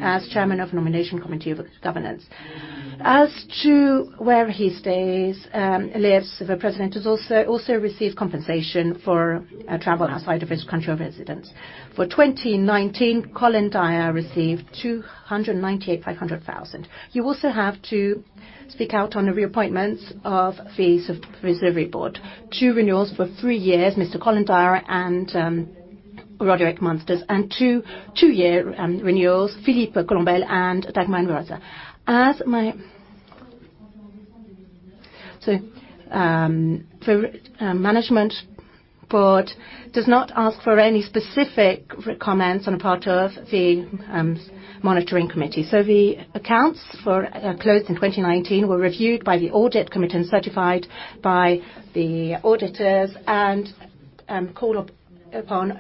as chairman of the Nomination and Governance Committee. As to where he lives, the president has also received compensation for travel outside of his country of residence. For 2019, Colin Dyer received 298,500. You also have to speak out on the reappointments of the Supervisory Board. Two renewals for three years, Mr. Colin Dyer and Roderick Munsters, and two two-year renewals, Philippe Collombel and Dagmar Kollmann. The Management Board does not ask for any specific comments on the part of the monitoring committee. The accounts closed in 2019 were reviewed by the audit committee and certified by the auditors and upon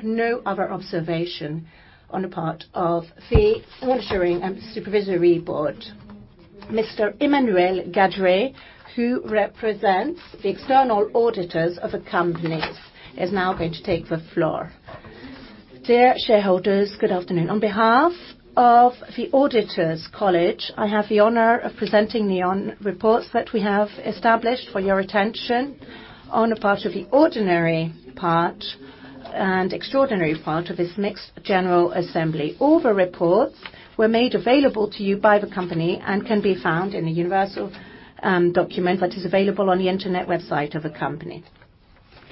no other observation on the part of the Auditing and Supervisory Board. Mr. Emmanuel Gadrey, who represents the external auditors of the company, is now going to take the floor. Dear shareholders, good afternoon. On behalf of the Auditors College, I have the honor of presenting the annual reports that we have established for your attention on the part of the ordinary part and extraordinary part of this mixed general assembly. All the reports were made available to you by the company and can be found in the universal document that is available on the internet website of the company.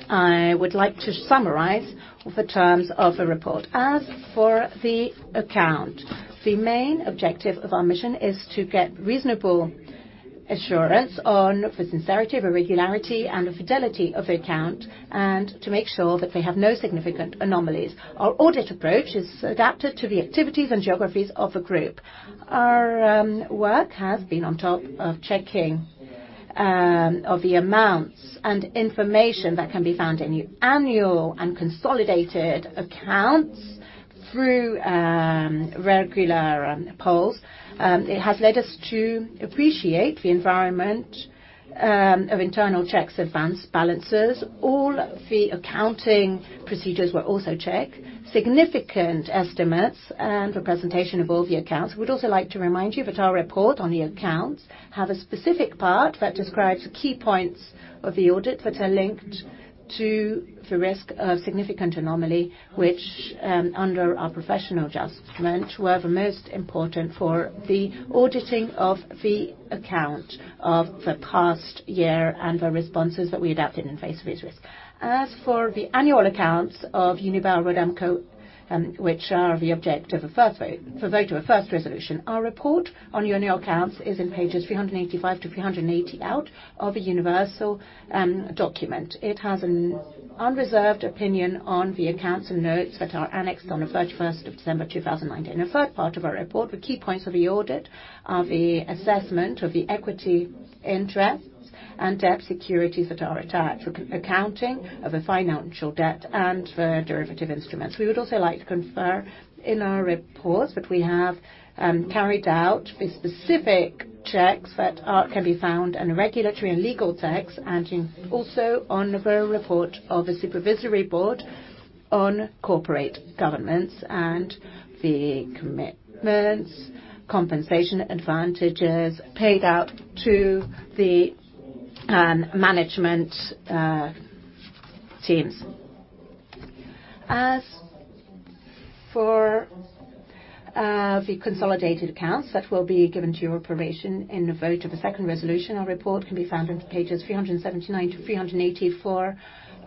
I would like to summarize the terms of the report. As for the account, the main objective of our mission is to get reasonable assurance on the sincerity, the regularity, and the fidelity of the account, and to make sure that they have no significant anomalies. Our audit approach is adapted to the activities and geographies of the group. Our work has been on top of checking of the amounts and information that can be found in the annual and consolidated accounts through regular controls. It has led us to appreciate the environment of internal checks, opening balances. All the accounting procedures were also checked, significant estimates, and the presentation of all the accounts. We'd also like to remind you that our report on the accounts have a specific part that describes the key points of the audit that are linked to the risk of significant anomaly, which, under our professional judgment, were the most important for the auditing of the account of the past year, and the responses that we adapted in face of these risks. As for the annual accounts of Unibail-Rodamco, which are the object of the first vote, the vote of the first resolution, our report on annual accounts is in pages 385 to 388 of the universal document. It has an unreserved opinion on the accounts and notes that are annexed on the thirty-first of December, two thousand and nineteen. In the third part of our report, the key points of the audit are the assessment of the equity interests and debt securities that are attached for accounting of the financial debt and the derivative instruments. We would also like to confirm in our report that we have carried out the specific checks that can be found in regulatory and legal checks, and also on the report of the Supervisory Board on corporate governance and the commitments, compensation advantages paid out to the management teams. As for the consolidated accounts that will be given to your approbation in the vote of the second resolution, our report can be found on pages 379 to 384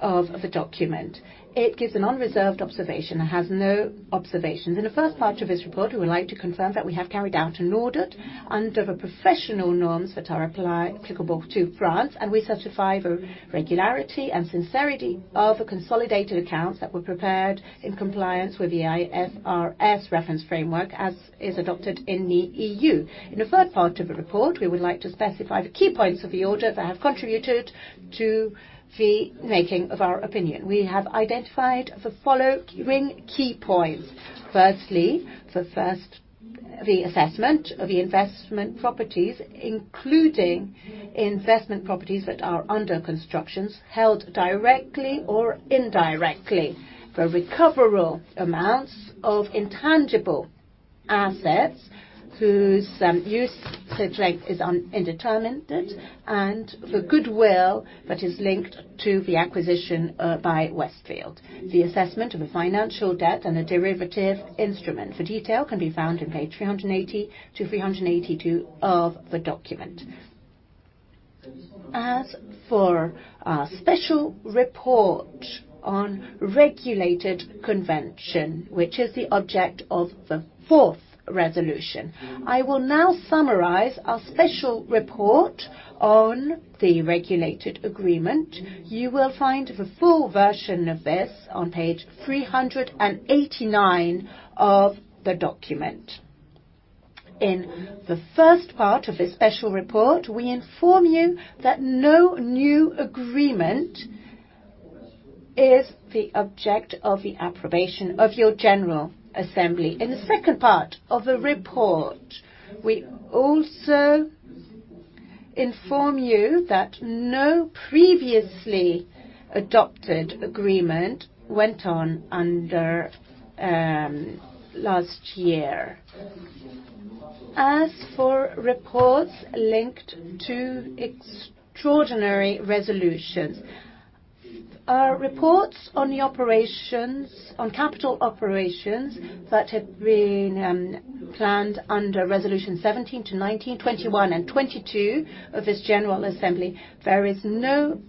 of the document. It gives an unreserved observation and has no observations. In the first part of this report, we would like to confirm that we have carried out an audit under the professional norms that are applicable to France, and we certify the regularity and sincerity of the consolidated accounts that were prepared in compliance with the IFRS reference framework, as is adopted in the EU. In the third part of the report, we would like to specify the key points of the audit that have contributed to the making of our opinion. We have identified the following key points. Firstly, the assessment of the investment properties, including investment properties that are under construction, held directly or indirectly, the recoverable amounts of intangible assets whose usage length is indeterminate, and the goodwill that is linked to the acquisition by Westfield, the assessment of the financial debt and the derivative instrument. The detail can be found on page 300 to 382 of the document. As for our special report on regulated agreement, which is the object of the fourth resolution, I will now summarize our special report on the regulated agreement. You will find the full version of this on page 389 of the document. In the first part of this special report, we inform you that no new agreement is the object of the approbation of your general assembly. In the second part of the report, we also inform you that no previously adopted agreement went on under last year. As for reports linked to extraordinary resolutions, our reports on the operations, on capital operations that had been planned under Resolutions 17 to 19, 21 and 22 of this general assembly, there is no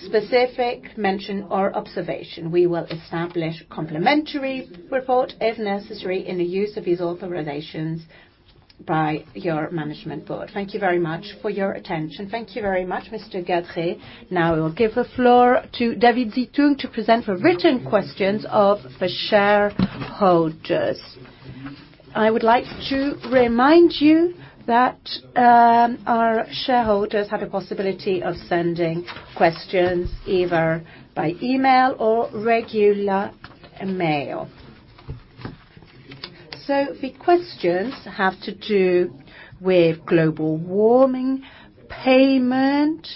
specific mention or observation. We will establish complementary report, if necessary, in the use of these authorizations by your Management Board. Thank you very much for your attention. Thank you very much, Mr. Gadret. Now we will give the floor to David Zeitoun to present the written questions of the shareholders. I would like to remind you that our shareholders have a possibility of sending questions either by email or regular mail. So the questions have to do with global warming, payment,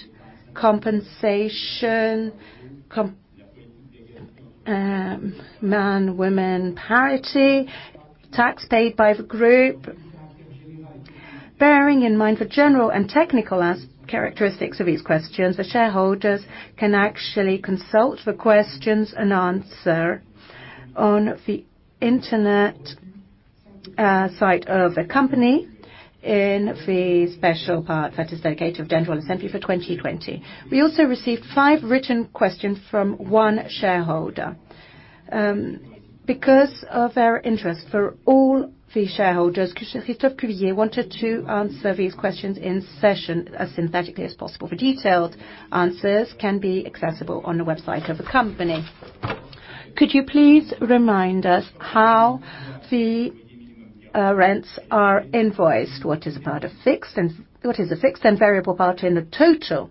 compensation, man, women parity, tax paid by the group. Bearing in mind the general and technical characteristics of these questions, the shareholders can actually consult the questions and answer on the internet site of the company in the special part that is dedicated to general assembly for twenty twenty. We also received five written questions from one shareholder. Because of their interest for all the shareholders, Christophe Cuvillier wanted to answer these questions in session as synthetically as possible. The detailed answers can be accessible on the website of the company. Could you please remind us how the rents are invoiced? What is part of fixed and what is the fixed and variable part in the total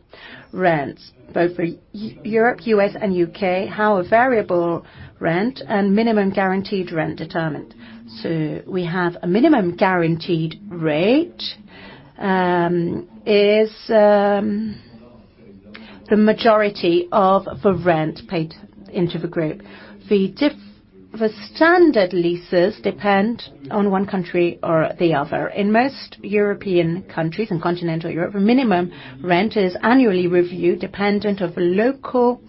rents, both for Europe, U.S., and U.K., how are variable rent and minimum guaranteed rent determined? We have a minimum guaranteed rate is the majority of the rent paid into the group. The standard leases depend on one country or the other. In most European countries, in continental Europe, the minimum rent is annually reviewed, dependent of local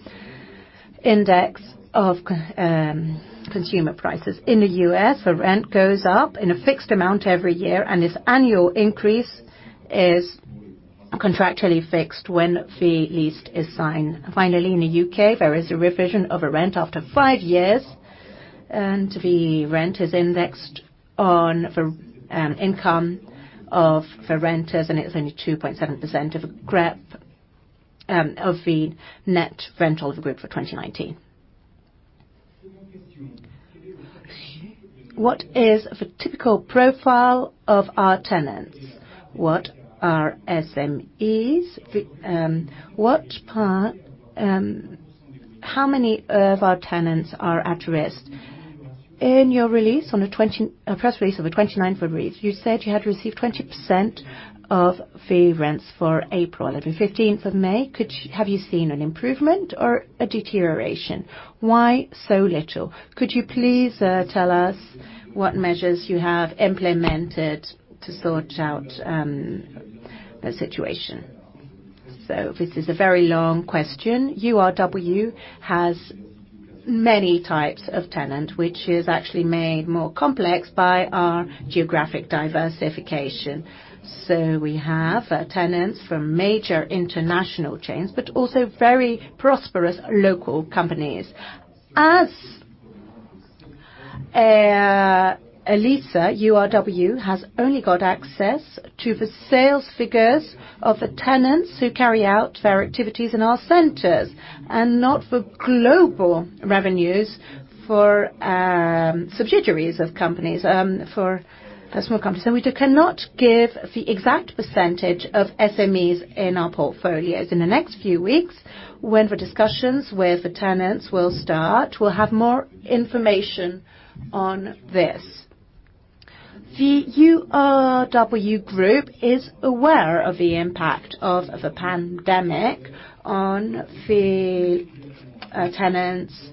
index of consumer prices. In the U.S., the rent goes up in a fixed amount every year, and this annual increase is contractually fixed when the lease is signed. Finally, in the U.K., there is a revision of a rent after five years, and the rent is indexed on the income of the renters, and it's only 2.7% of the group, of the net rental of the group for 2019. What is the typical profile of our tenants? What are SMEs? What part, how many of our tenants are at risk? In your release on the twenty-ninth of February, press release of the twenty-ninth of February, you said you had received 20% of the rents for April. As of fifteenth of May, have you seen an improvement or a deterioration? Why so little? Could you please tell us what measures you have implemented to sort out the situation? So this is a very long question. URW has many types of tenant, which is actually made more complex by our geographic diversification. So we have tenants from major international chains, but also very prosperous local companies. As a lessor, URW has only got access to the sales figures of the tenants who carry out their activities in our centers, and not for global revenues for subsidiaries of companies for personal companies. So we cannot give the exact percentage of SMEs in our portfolios. In the next few weeks, when the discussions with the tenants will start, we'll have more information on this. The URW group is aware of the impact of the pandemic on the tenants'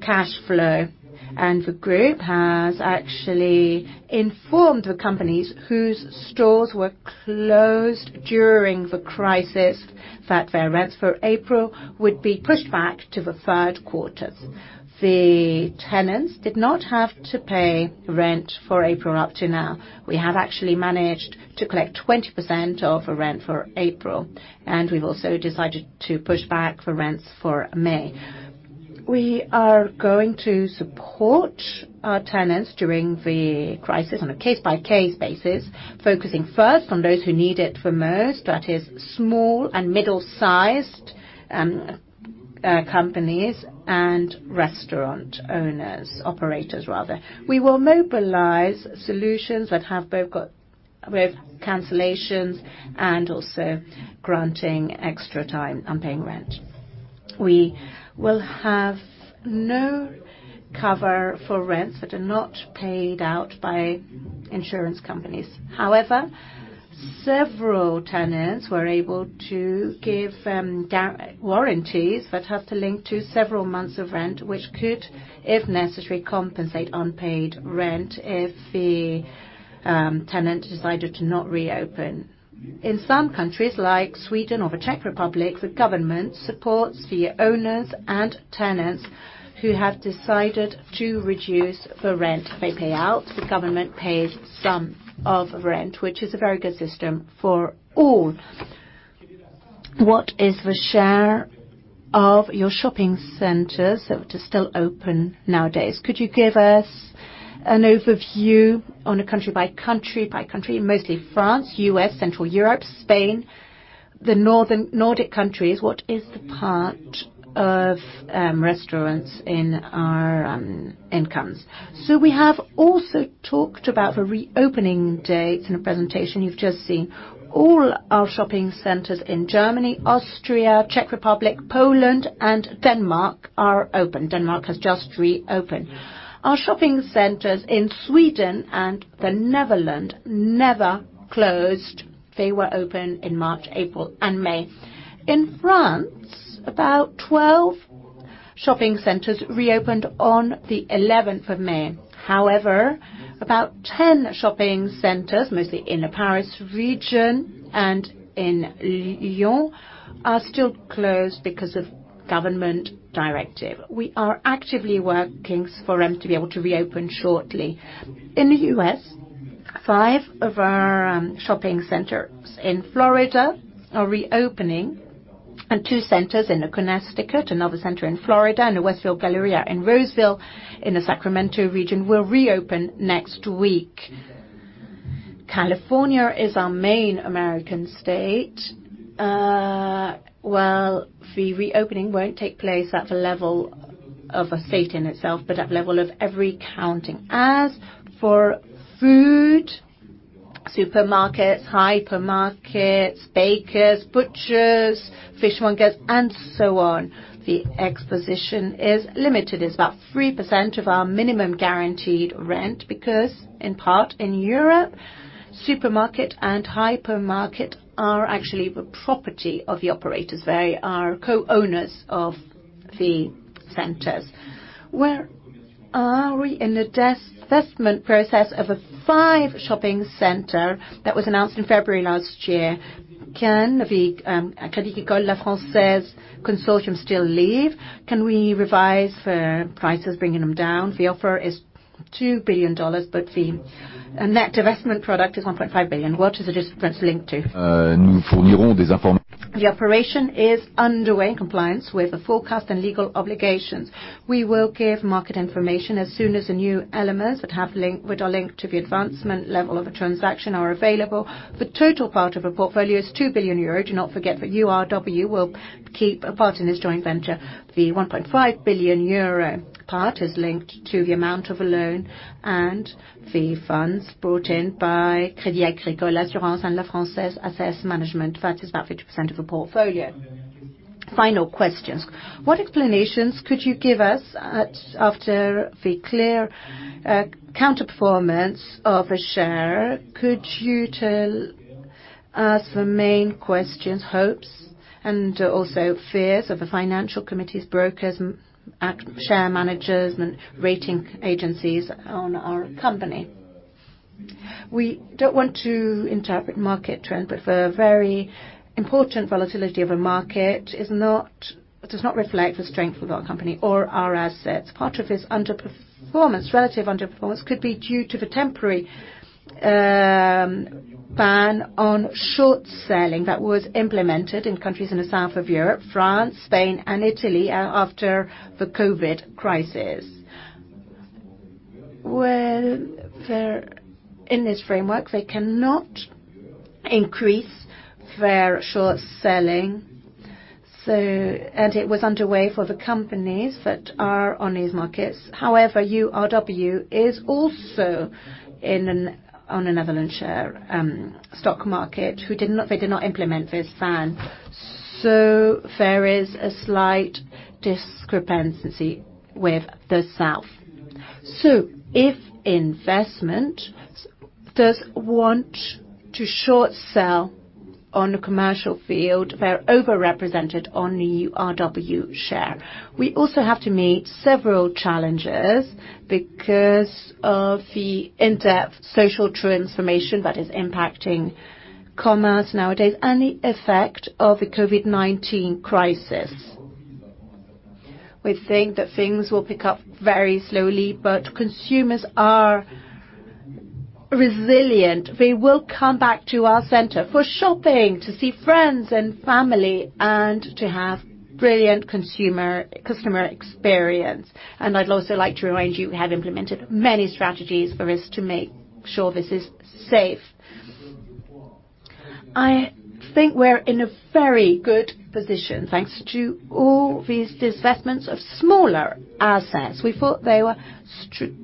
cash flow, and the group has actually informed the companies whose stores were closed during the crisis that their rents for April would be pushed back to the third quarter. The tenants did not have to pay rent for April up to now. We have actually managed to collect 20% of the rent for April, and we've also decided to push back the rents for May. We are going to support our tenants during the crisis on a case-by-case basis, focusing first on those who need it the most. That is small and middle-sized companies and restaurant owners, operators rather. We will mobilize solutions with cancellations and also granting extra time on paying rent. We will have no cover for rents that are not paid out by insurance companies. However, several tenants were able to give warranties that have to link to several months of rent, which could, if necessary, compensate unpaid rent if the tenant decided to not reopen. In some countries, like Sweden or the Czech Republic, the government supports the owners and tenants who have decided to reduce the rent they pay out. The government pays some of the rent, which is a very good system for all. What is the share of your shopping centers that are still open nowadays? Could you give us an overview on a country by country, mostly France, US, Central Europe, Spain?... The northern Nordic countries, what is the part of restaurants in our incomes? We have also talked about the reopening dates in the presentation you've just seen. All our shopping centers in Germany, Austria, Czech Republic, Poland, and Denmark are open. Denmark has just reopened. Our shopping centers in Sweden and the Netherlands never closed. They were open in March, April, and May. In France, about 12 shopping centers reopened on the eleventh of May. However, about 10 shopping centers, mostly in the Paris region and in Lyon, are still closed because of government directive. We are actively working for them to be able to reopen shortly. In the US, five of our shopping centers in Florida are reopening, and two centers in Connecticut, another center in Florida, and a Westfield Galleria at Roseville, in the Sacramento region, will reopen next week. California is our main American state. Well, the reopening won't take place at the level of a state in itself, but at level of every county. As for food, supermarkets, hypermarkets, bakers, butchers, fishmongers, and so on, the exposure is limited. It's about 3% of our minimum guaranteed rent, because in part, in Europe, supermarket and hypermarket are actually the property of the operators. They are co-owners of the centers. Where are we in the divestment process of a five shopping center that was announced in February last year? Can the Crédit Agricole La Française consortium still leave? Can we revise the prices, bringing them down? The offer is $2 billion, but the net divestment product is $1.5 billion. What is the difference linked to? Uh, The operation is underway in compliance with the forecast and legal obligations. We will give market information as soon as the new elements which are linked to the advancement level of a transaction are available. The total part of a portfolio is 2 billion euro. Do not forget that URW will keep a part in this joint venture. The 1.5 billion euro part is linked to the amount of the loan and the funds brought in by Crédit Agricole Assurances and La Française Asset Management. That is about 50% of the portfolio. Final questions. What explanations could you give us at, after the clear, counterperformance of a share? Could you tell us the main questions, hopes, and also fears of the financial committees, brokers, and share managers, and rating agencies on our company? We don't want to interpret market trend, but the very important volatility of a market does not reflect the strength of our company or our assets. Part of this underperformance, relative underperformance, could be due to the temporary ban on short selling that was implemented in countries in the south of Europe, France, Spain, and Italy, after the COVID crisis. In this framework, they cannot increase their short selling, so and it was underway for the companies that are on these markets. However, URW is also on a Netherlands share stock market, who did not implement this ban. So there is a slight discrepancy with the South. So if investment does want to short sell on the commercial field, they are overrepresented on the URW share. We also have to meet several challenges because of the in-depth social transformation that is impacting commerce nowadays and the effect of the COVID-19 crisis. We think that things will pick up very slowly, but consumers are resilient. They will come back to our center for shopping, to see friends and family, and to have brilliant consumer, customer experience. And I'd also like to remind you, we have implemented many strategies for this to make sure this is safe. I think we're in a very good position, thanks to all these divestments of smaller assets. We thought they were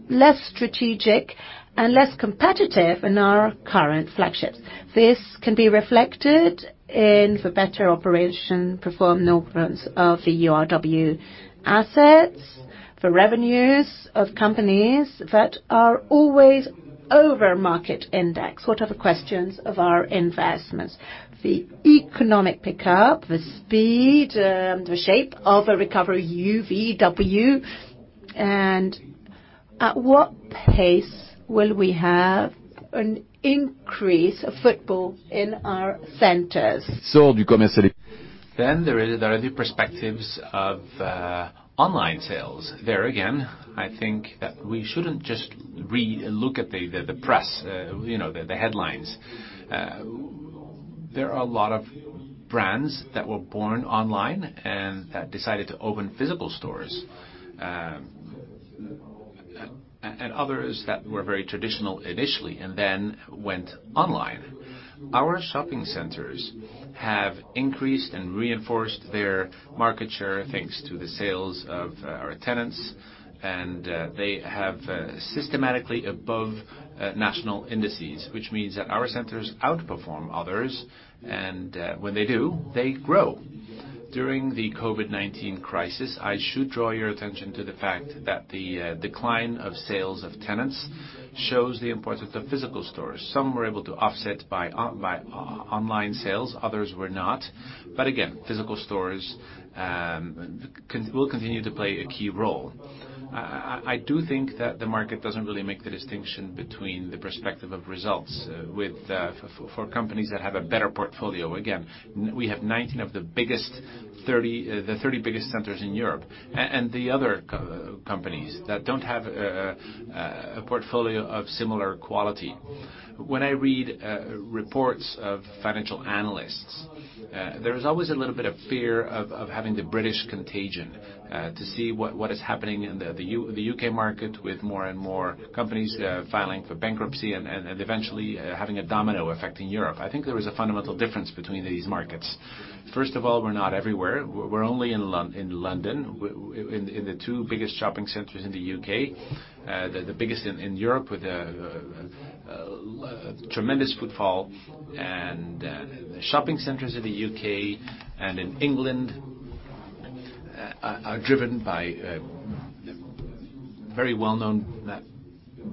less strategic and less competitive in our current flagships. This can be reflected in the better operation performance of the URW assets, the revenues of companies that are always over market index. What are the questions of our investments? The economic pickup, the speed, the shape of a recovery, URW, and at what pace will we have an increase of footfall in our centers? Then there are the perspectives of online sales. There again, I think that we shouldn't just re-look at the press, you know, the headlines. There are a lot of brands that were born online and that decided to open physical stores, and others that were very traditional initially, and then went online. Our shopping centers have increased and reinforced their market share, thanks to the sales of our tenants, and they have systematically above national indices. Which means that our centers outperform others, and when they do, they grow. During the COVID-19 crisis, I should draw your attention to the fact that the decline of sales of tenants shows the importance of physical stores. Some were able to offset by online sales, others were not. But again, physical stores will continue to play a key role. I do think that the market doesn't really make the distinction between the perspective of results with for companies that have a better portfolio. Again, we have nineteen of the biggest thirty the thirty biggest centers in Europe. And the other companies that don't have a portfolio of similar quality. When I read reports of financial analysts, there's always a little bit of fear of having the British contagion. To see what is happening in the UK market, with more and more companies filing for bankruptcy and eventually having a domino effect in Europe. I think there is a fundamental difference between these markets. First of all, we're not everywhere. We're only in London, in the two biggest shopping centers in the U.K., the biggest in Europe, with tremendous footfall. The shopping centers in the U.K. and in England are driven by very well-known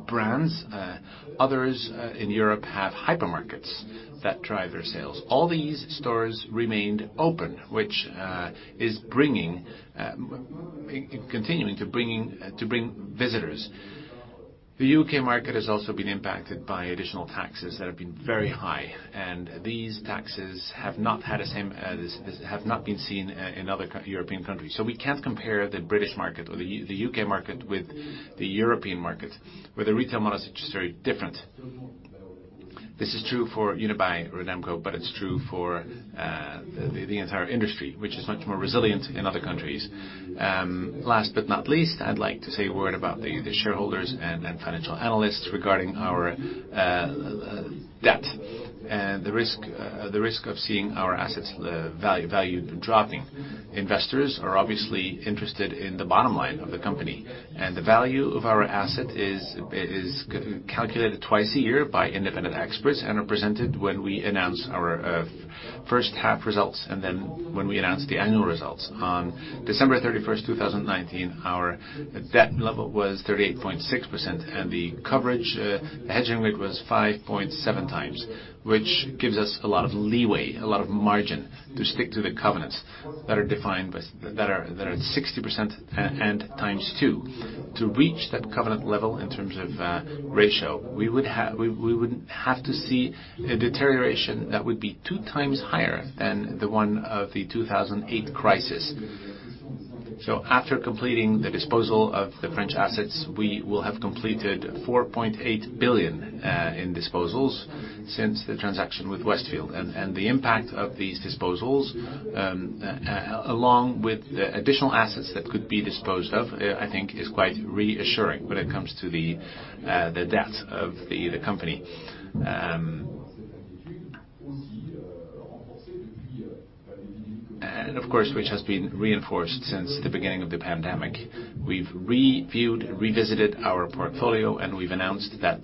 brands. Others in Europe have hypermarkets that drive their sales. All these stores remained open, which is continuing to bring visitors. The U.K. market has also been impacted by additional taxes that have been very high, and these taxes have not had the same, have not been seen in other European countries, so we can't compare the British market or the U.K. market with the European market, where the retail model is just very different. This is true for Unibail-Rodamco, but it's true for the entire industry, which is much more resilient in other countries. Last but not least, I'd like to say a word about the shareholders and financial analysts regarding our debt, and the risk of seeing our assets value dropping. Investors are obviously interested in the bottom line of the company, and the value of our asset is calculated twice a year by independent experts, and are presented when we announce our first half results, and then when we announce the annual results. On December thirty-first, two thousand and nineteen, our debt level was 38.6%, and the coverage hedging rate was 5.7 times. Which gives us a lot of leeway, a lot of margin, to stick to the covenants that are defined by... That are 60% and times two. To reach that covenant level in terms of ratio, we would have to see a deterioration that would be two times higher than the one of the 2008 crisis. So after completing the disposal of the French assets, we will have completed 4.8 billion in disposals since the transaction with Westfield. And the impact of these disposals, along with the additional assets that could be disposed of, I think is quite reassuring when it comes to the debt of the company. And of course, which has been reinforced since the beginning of the pandemic. We've reviewed, revisited our portfolio, and we've announced that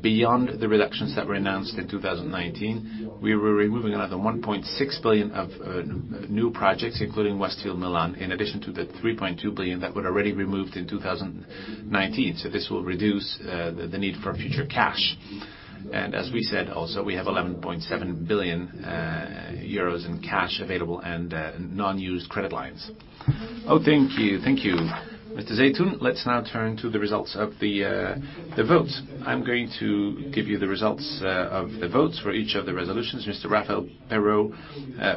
beyond the reductions that were announced in two thousand and nineteen, we were removing another 1.6 billion of new projects, including Westfield Milan, in addition to the 3.2 billion that were already removed in two thousand and nineteen. So this will reduce the need for future cash. And as we said, also, we have 11.7 billion euros in cash available and non-used credit lines. Oh, thank you. Thank you, Mr. Zeitoun. Let's now turn to the results of the votes. I'm going to give you the results of the votes for each of the resolutions. Mr. Raphaël Péraud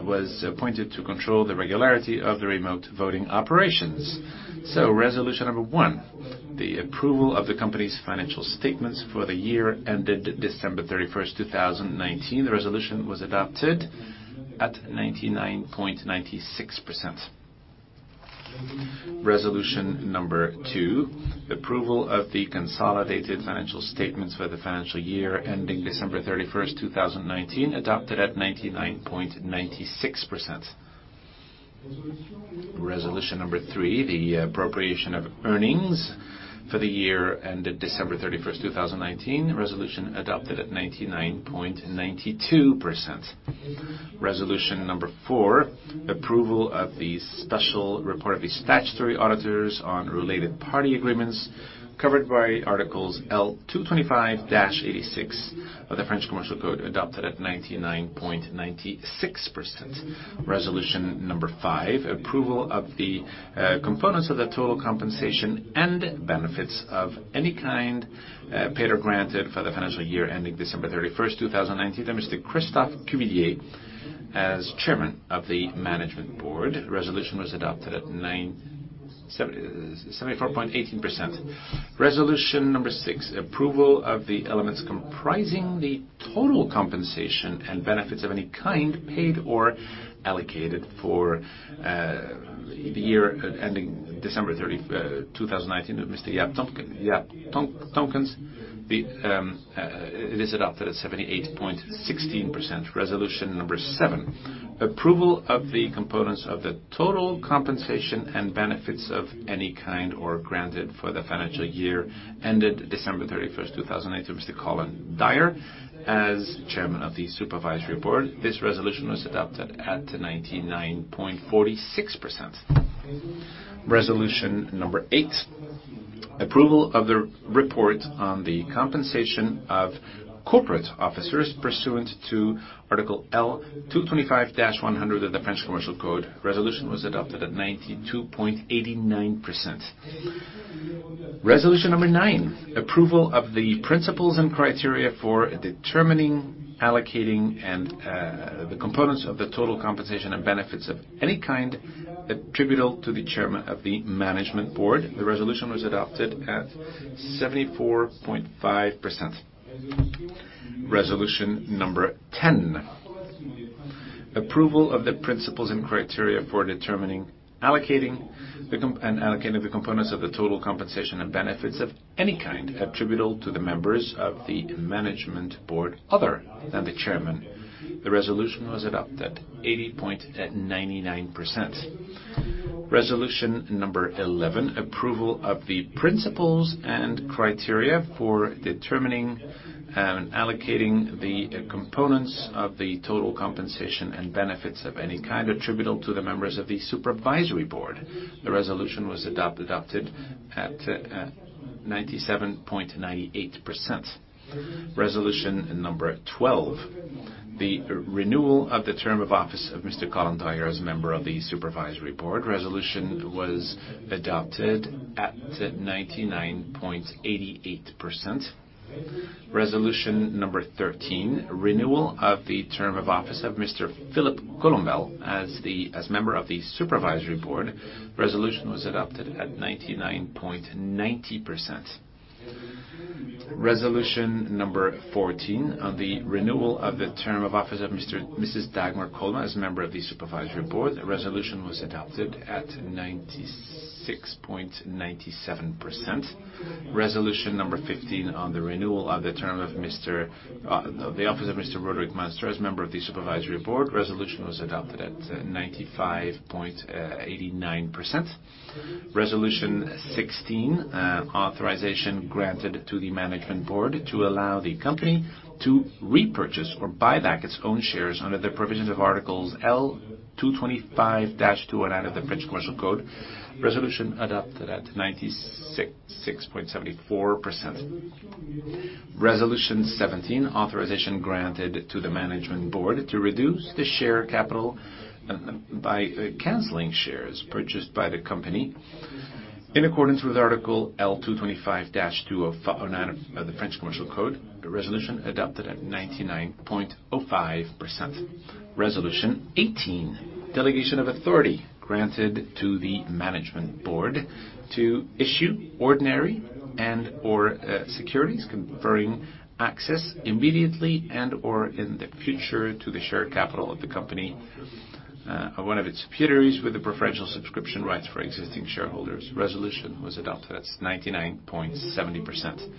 was appointed to control the regularity of the remote voting operations. So resolution number one, the approval of the company's financial statements for the year ended December thirty-first, two thousand and nineteen. The resolution was adopted at 99.96%. Resolution number two, approval of the consolidated financial statements for the financial year ending December thirty-first, two thousand and nineteen, adopted at 99.96%. Resolution number three, the appropriation of earnings for the year ended December thirty-first, two thousand and nineteen. Resolution adopted at 99.92%. Resolution number four, approval of the special report of the statutory auditors on related party agreements covered by articles L225-86 of the French Commercial Code, adopted at 99.96%. Resolution number five, approval of the components of the total compensation and benefits of any kind paid or granted for the financial year ending December thirty-first, two thousand and nineteen, to Mr. Christophe Cuvillier as Chairman of the Management Board. Resolution was adopted at 97.74%. Resolution number six, approval of the elements comprising the total compensation and benefits of any kind paid or allocated for the year ending December thirty, two thousand and nineteen to Mr. Jaap Tonkens. It is adopted at 78.16%. Resolution number seven, approval of the components of the total compensation and benefits of any kind or granted for the financial year ended December thirty-first, two thousand and eighteen, to Mr. Colin Dyer, as Chairman of the Supervisory Board. This resolution was adopted at 99.46%. Resolution number eight, approval of the report on the compensation of corporate officers pursuant to Article L. 225-100 of the French Commercial Code. Resolution was adopted at 92.89%. Resolution number nine, approval of the principles and criteria for determining, allocating, and the components of the total compensation and benefits of any kind attributable to the chairman of the management board. The resolution was adopted at 74.5%. Resolution number ten, approval of the principles and criteria for determining, allocating and allocating the components of the total compensation and benefits of any kind attributable to the members of the management board other than the chairman. The resolution was adopted at 99%. Resolution number eleven, approval of the principles and criteria for determining and allocating the components of the total compensation and benefits of any kind attributable to the members of the supervisory board. The resolution was adopted at 97.98%. Resolution number twelve, the renewal of the term of office of Mr. Colin Dyer as a member of the Supervisory Board. Resolution was adopted at 99.88%. Resolution number 13, renewal of the term of office of Mr. Philippe Collombel as member of the Supervisory Board. Resolution was adopted at 99.90%. Resolution number 14 on the renewal of the term of office of Mrs. Dagmar Kollmann as a member of the Supervisory Board. The resolution was adopted at 96.97%. Resolution number 15 on the renewal of the term of office of Mr. Roderick Munsters as member of the Supervisory Board. Resolution was adopted at 95.89%. Resolution 16, authorization granted to the Management Board to allow the company to repurchase or buy back its own shares under the provisions of articles L. 225-209 and out of the French Commercial Code. Resolution adopted at 96.74%. Resolution 17, authorization granted to the Management Board to reduce the share capital by canceling shares purchased by the company. In accordance with Article L. 225-209 of the French Commercial Code, the resolution adopted at 99.05%. Resolution 18, delegation of authority granted to the Management Board to issue ordinary and/or securities conferring access immediately and/or in the future to the share capital of the company or one of its subsidiaries, with the preferential subscription rights for existing shareholders. The resolution was adopted at 99.70%.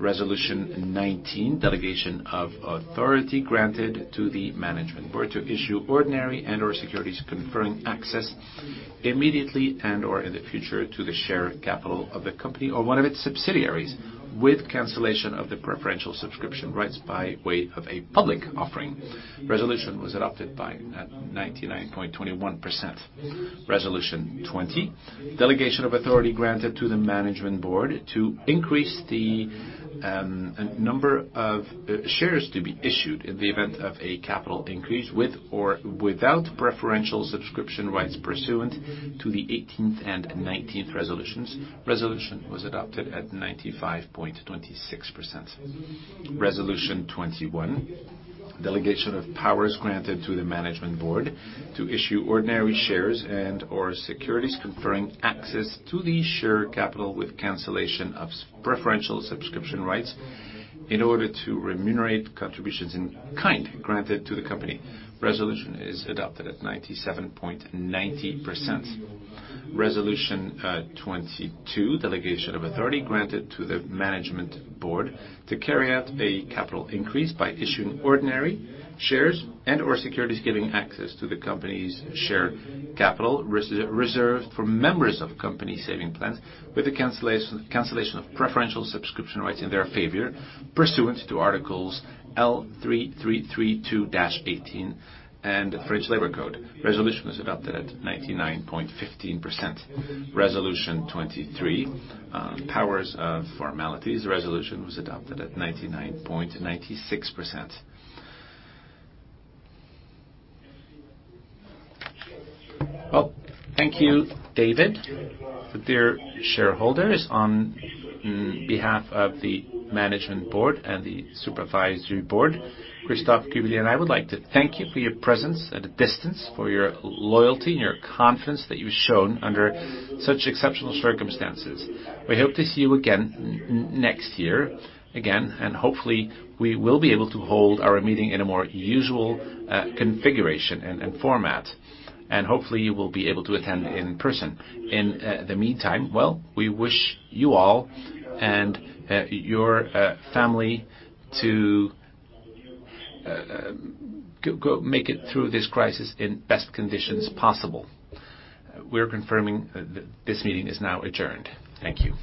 Resolution nineteen, delegation of authority granted to the Management Board to issue ordinary and/or securities conferring access immediately and/or in the future to the share capital of the company or one of its subsidiaries, with cancellation of the preferential subscription rights by way of a public offering. Resolution was adopted by at 99.21%. Resolution twenty, delegation of authority granted to the Management Board to increase the number of shares to be issued in the event of a capital increase, with or without preferential subscription rights pursuant to the eighteenth and nineteenth resolutions. Resolution was adopted at 95.26%. Resolution twenty-one, delegation of powers granted to the Management Board to issue ordinary shares and/or securities conferring access to the share capital with cancellation of preferential subscription rights in order to remunerate contributions in kind granted to the company. Resolution is adopted at 97.90%. Resolution 22, delegation of authority granted to the Management Board to carry out a capital increase by issuing ordinary shares and/or securities, giving access to the company's share capital reserved for members of company savings plans, with the cancellation of preferential subscription rights in their favor pursuant to articles L. 3332-18 of the French Labor Code. Resolution was adopted at 99.15%. Resolution 23, powers of formalities. Resolution was adopted at 99.96%. Thank you, David. Dear shareholders, on behalf of the Management Board and the Supervisory Board, Christophe Cuvillier and I would like to thank you for your presence at a distance, for your loyalty and your confidence that you've shown under such exceptional circumstances. We hope to see you again next year, again, and hopefully, we will be able to hold our meeting in a more usual configuration and format, and hopefully, you will be able to attend in person. In the meantime, well, we wish you all and your family to go make it through this crisis in best conditions possible. We're confirming that this meeting is now adjourned. Thank you.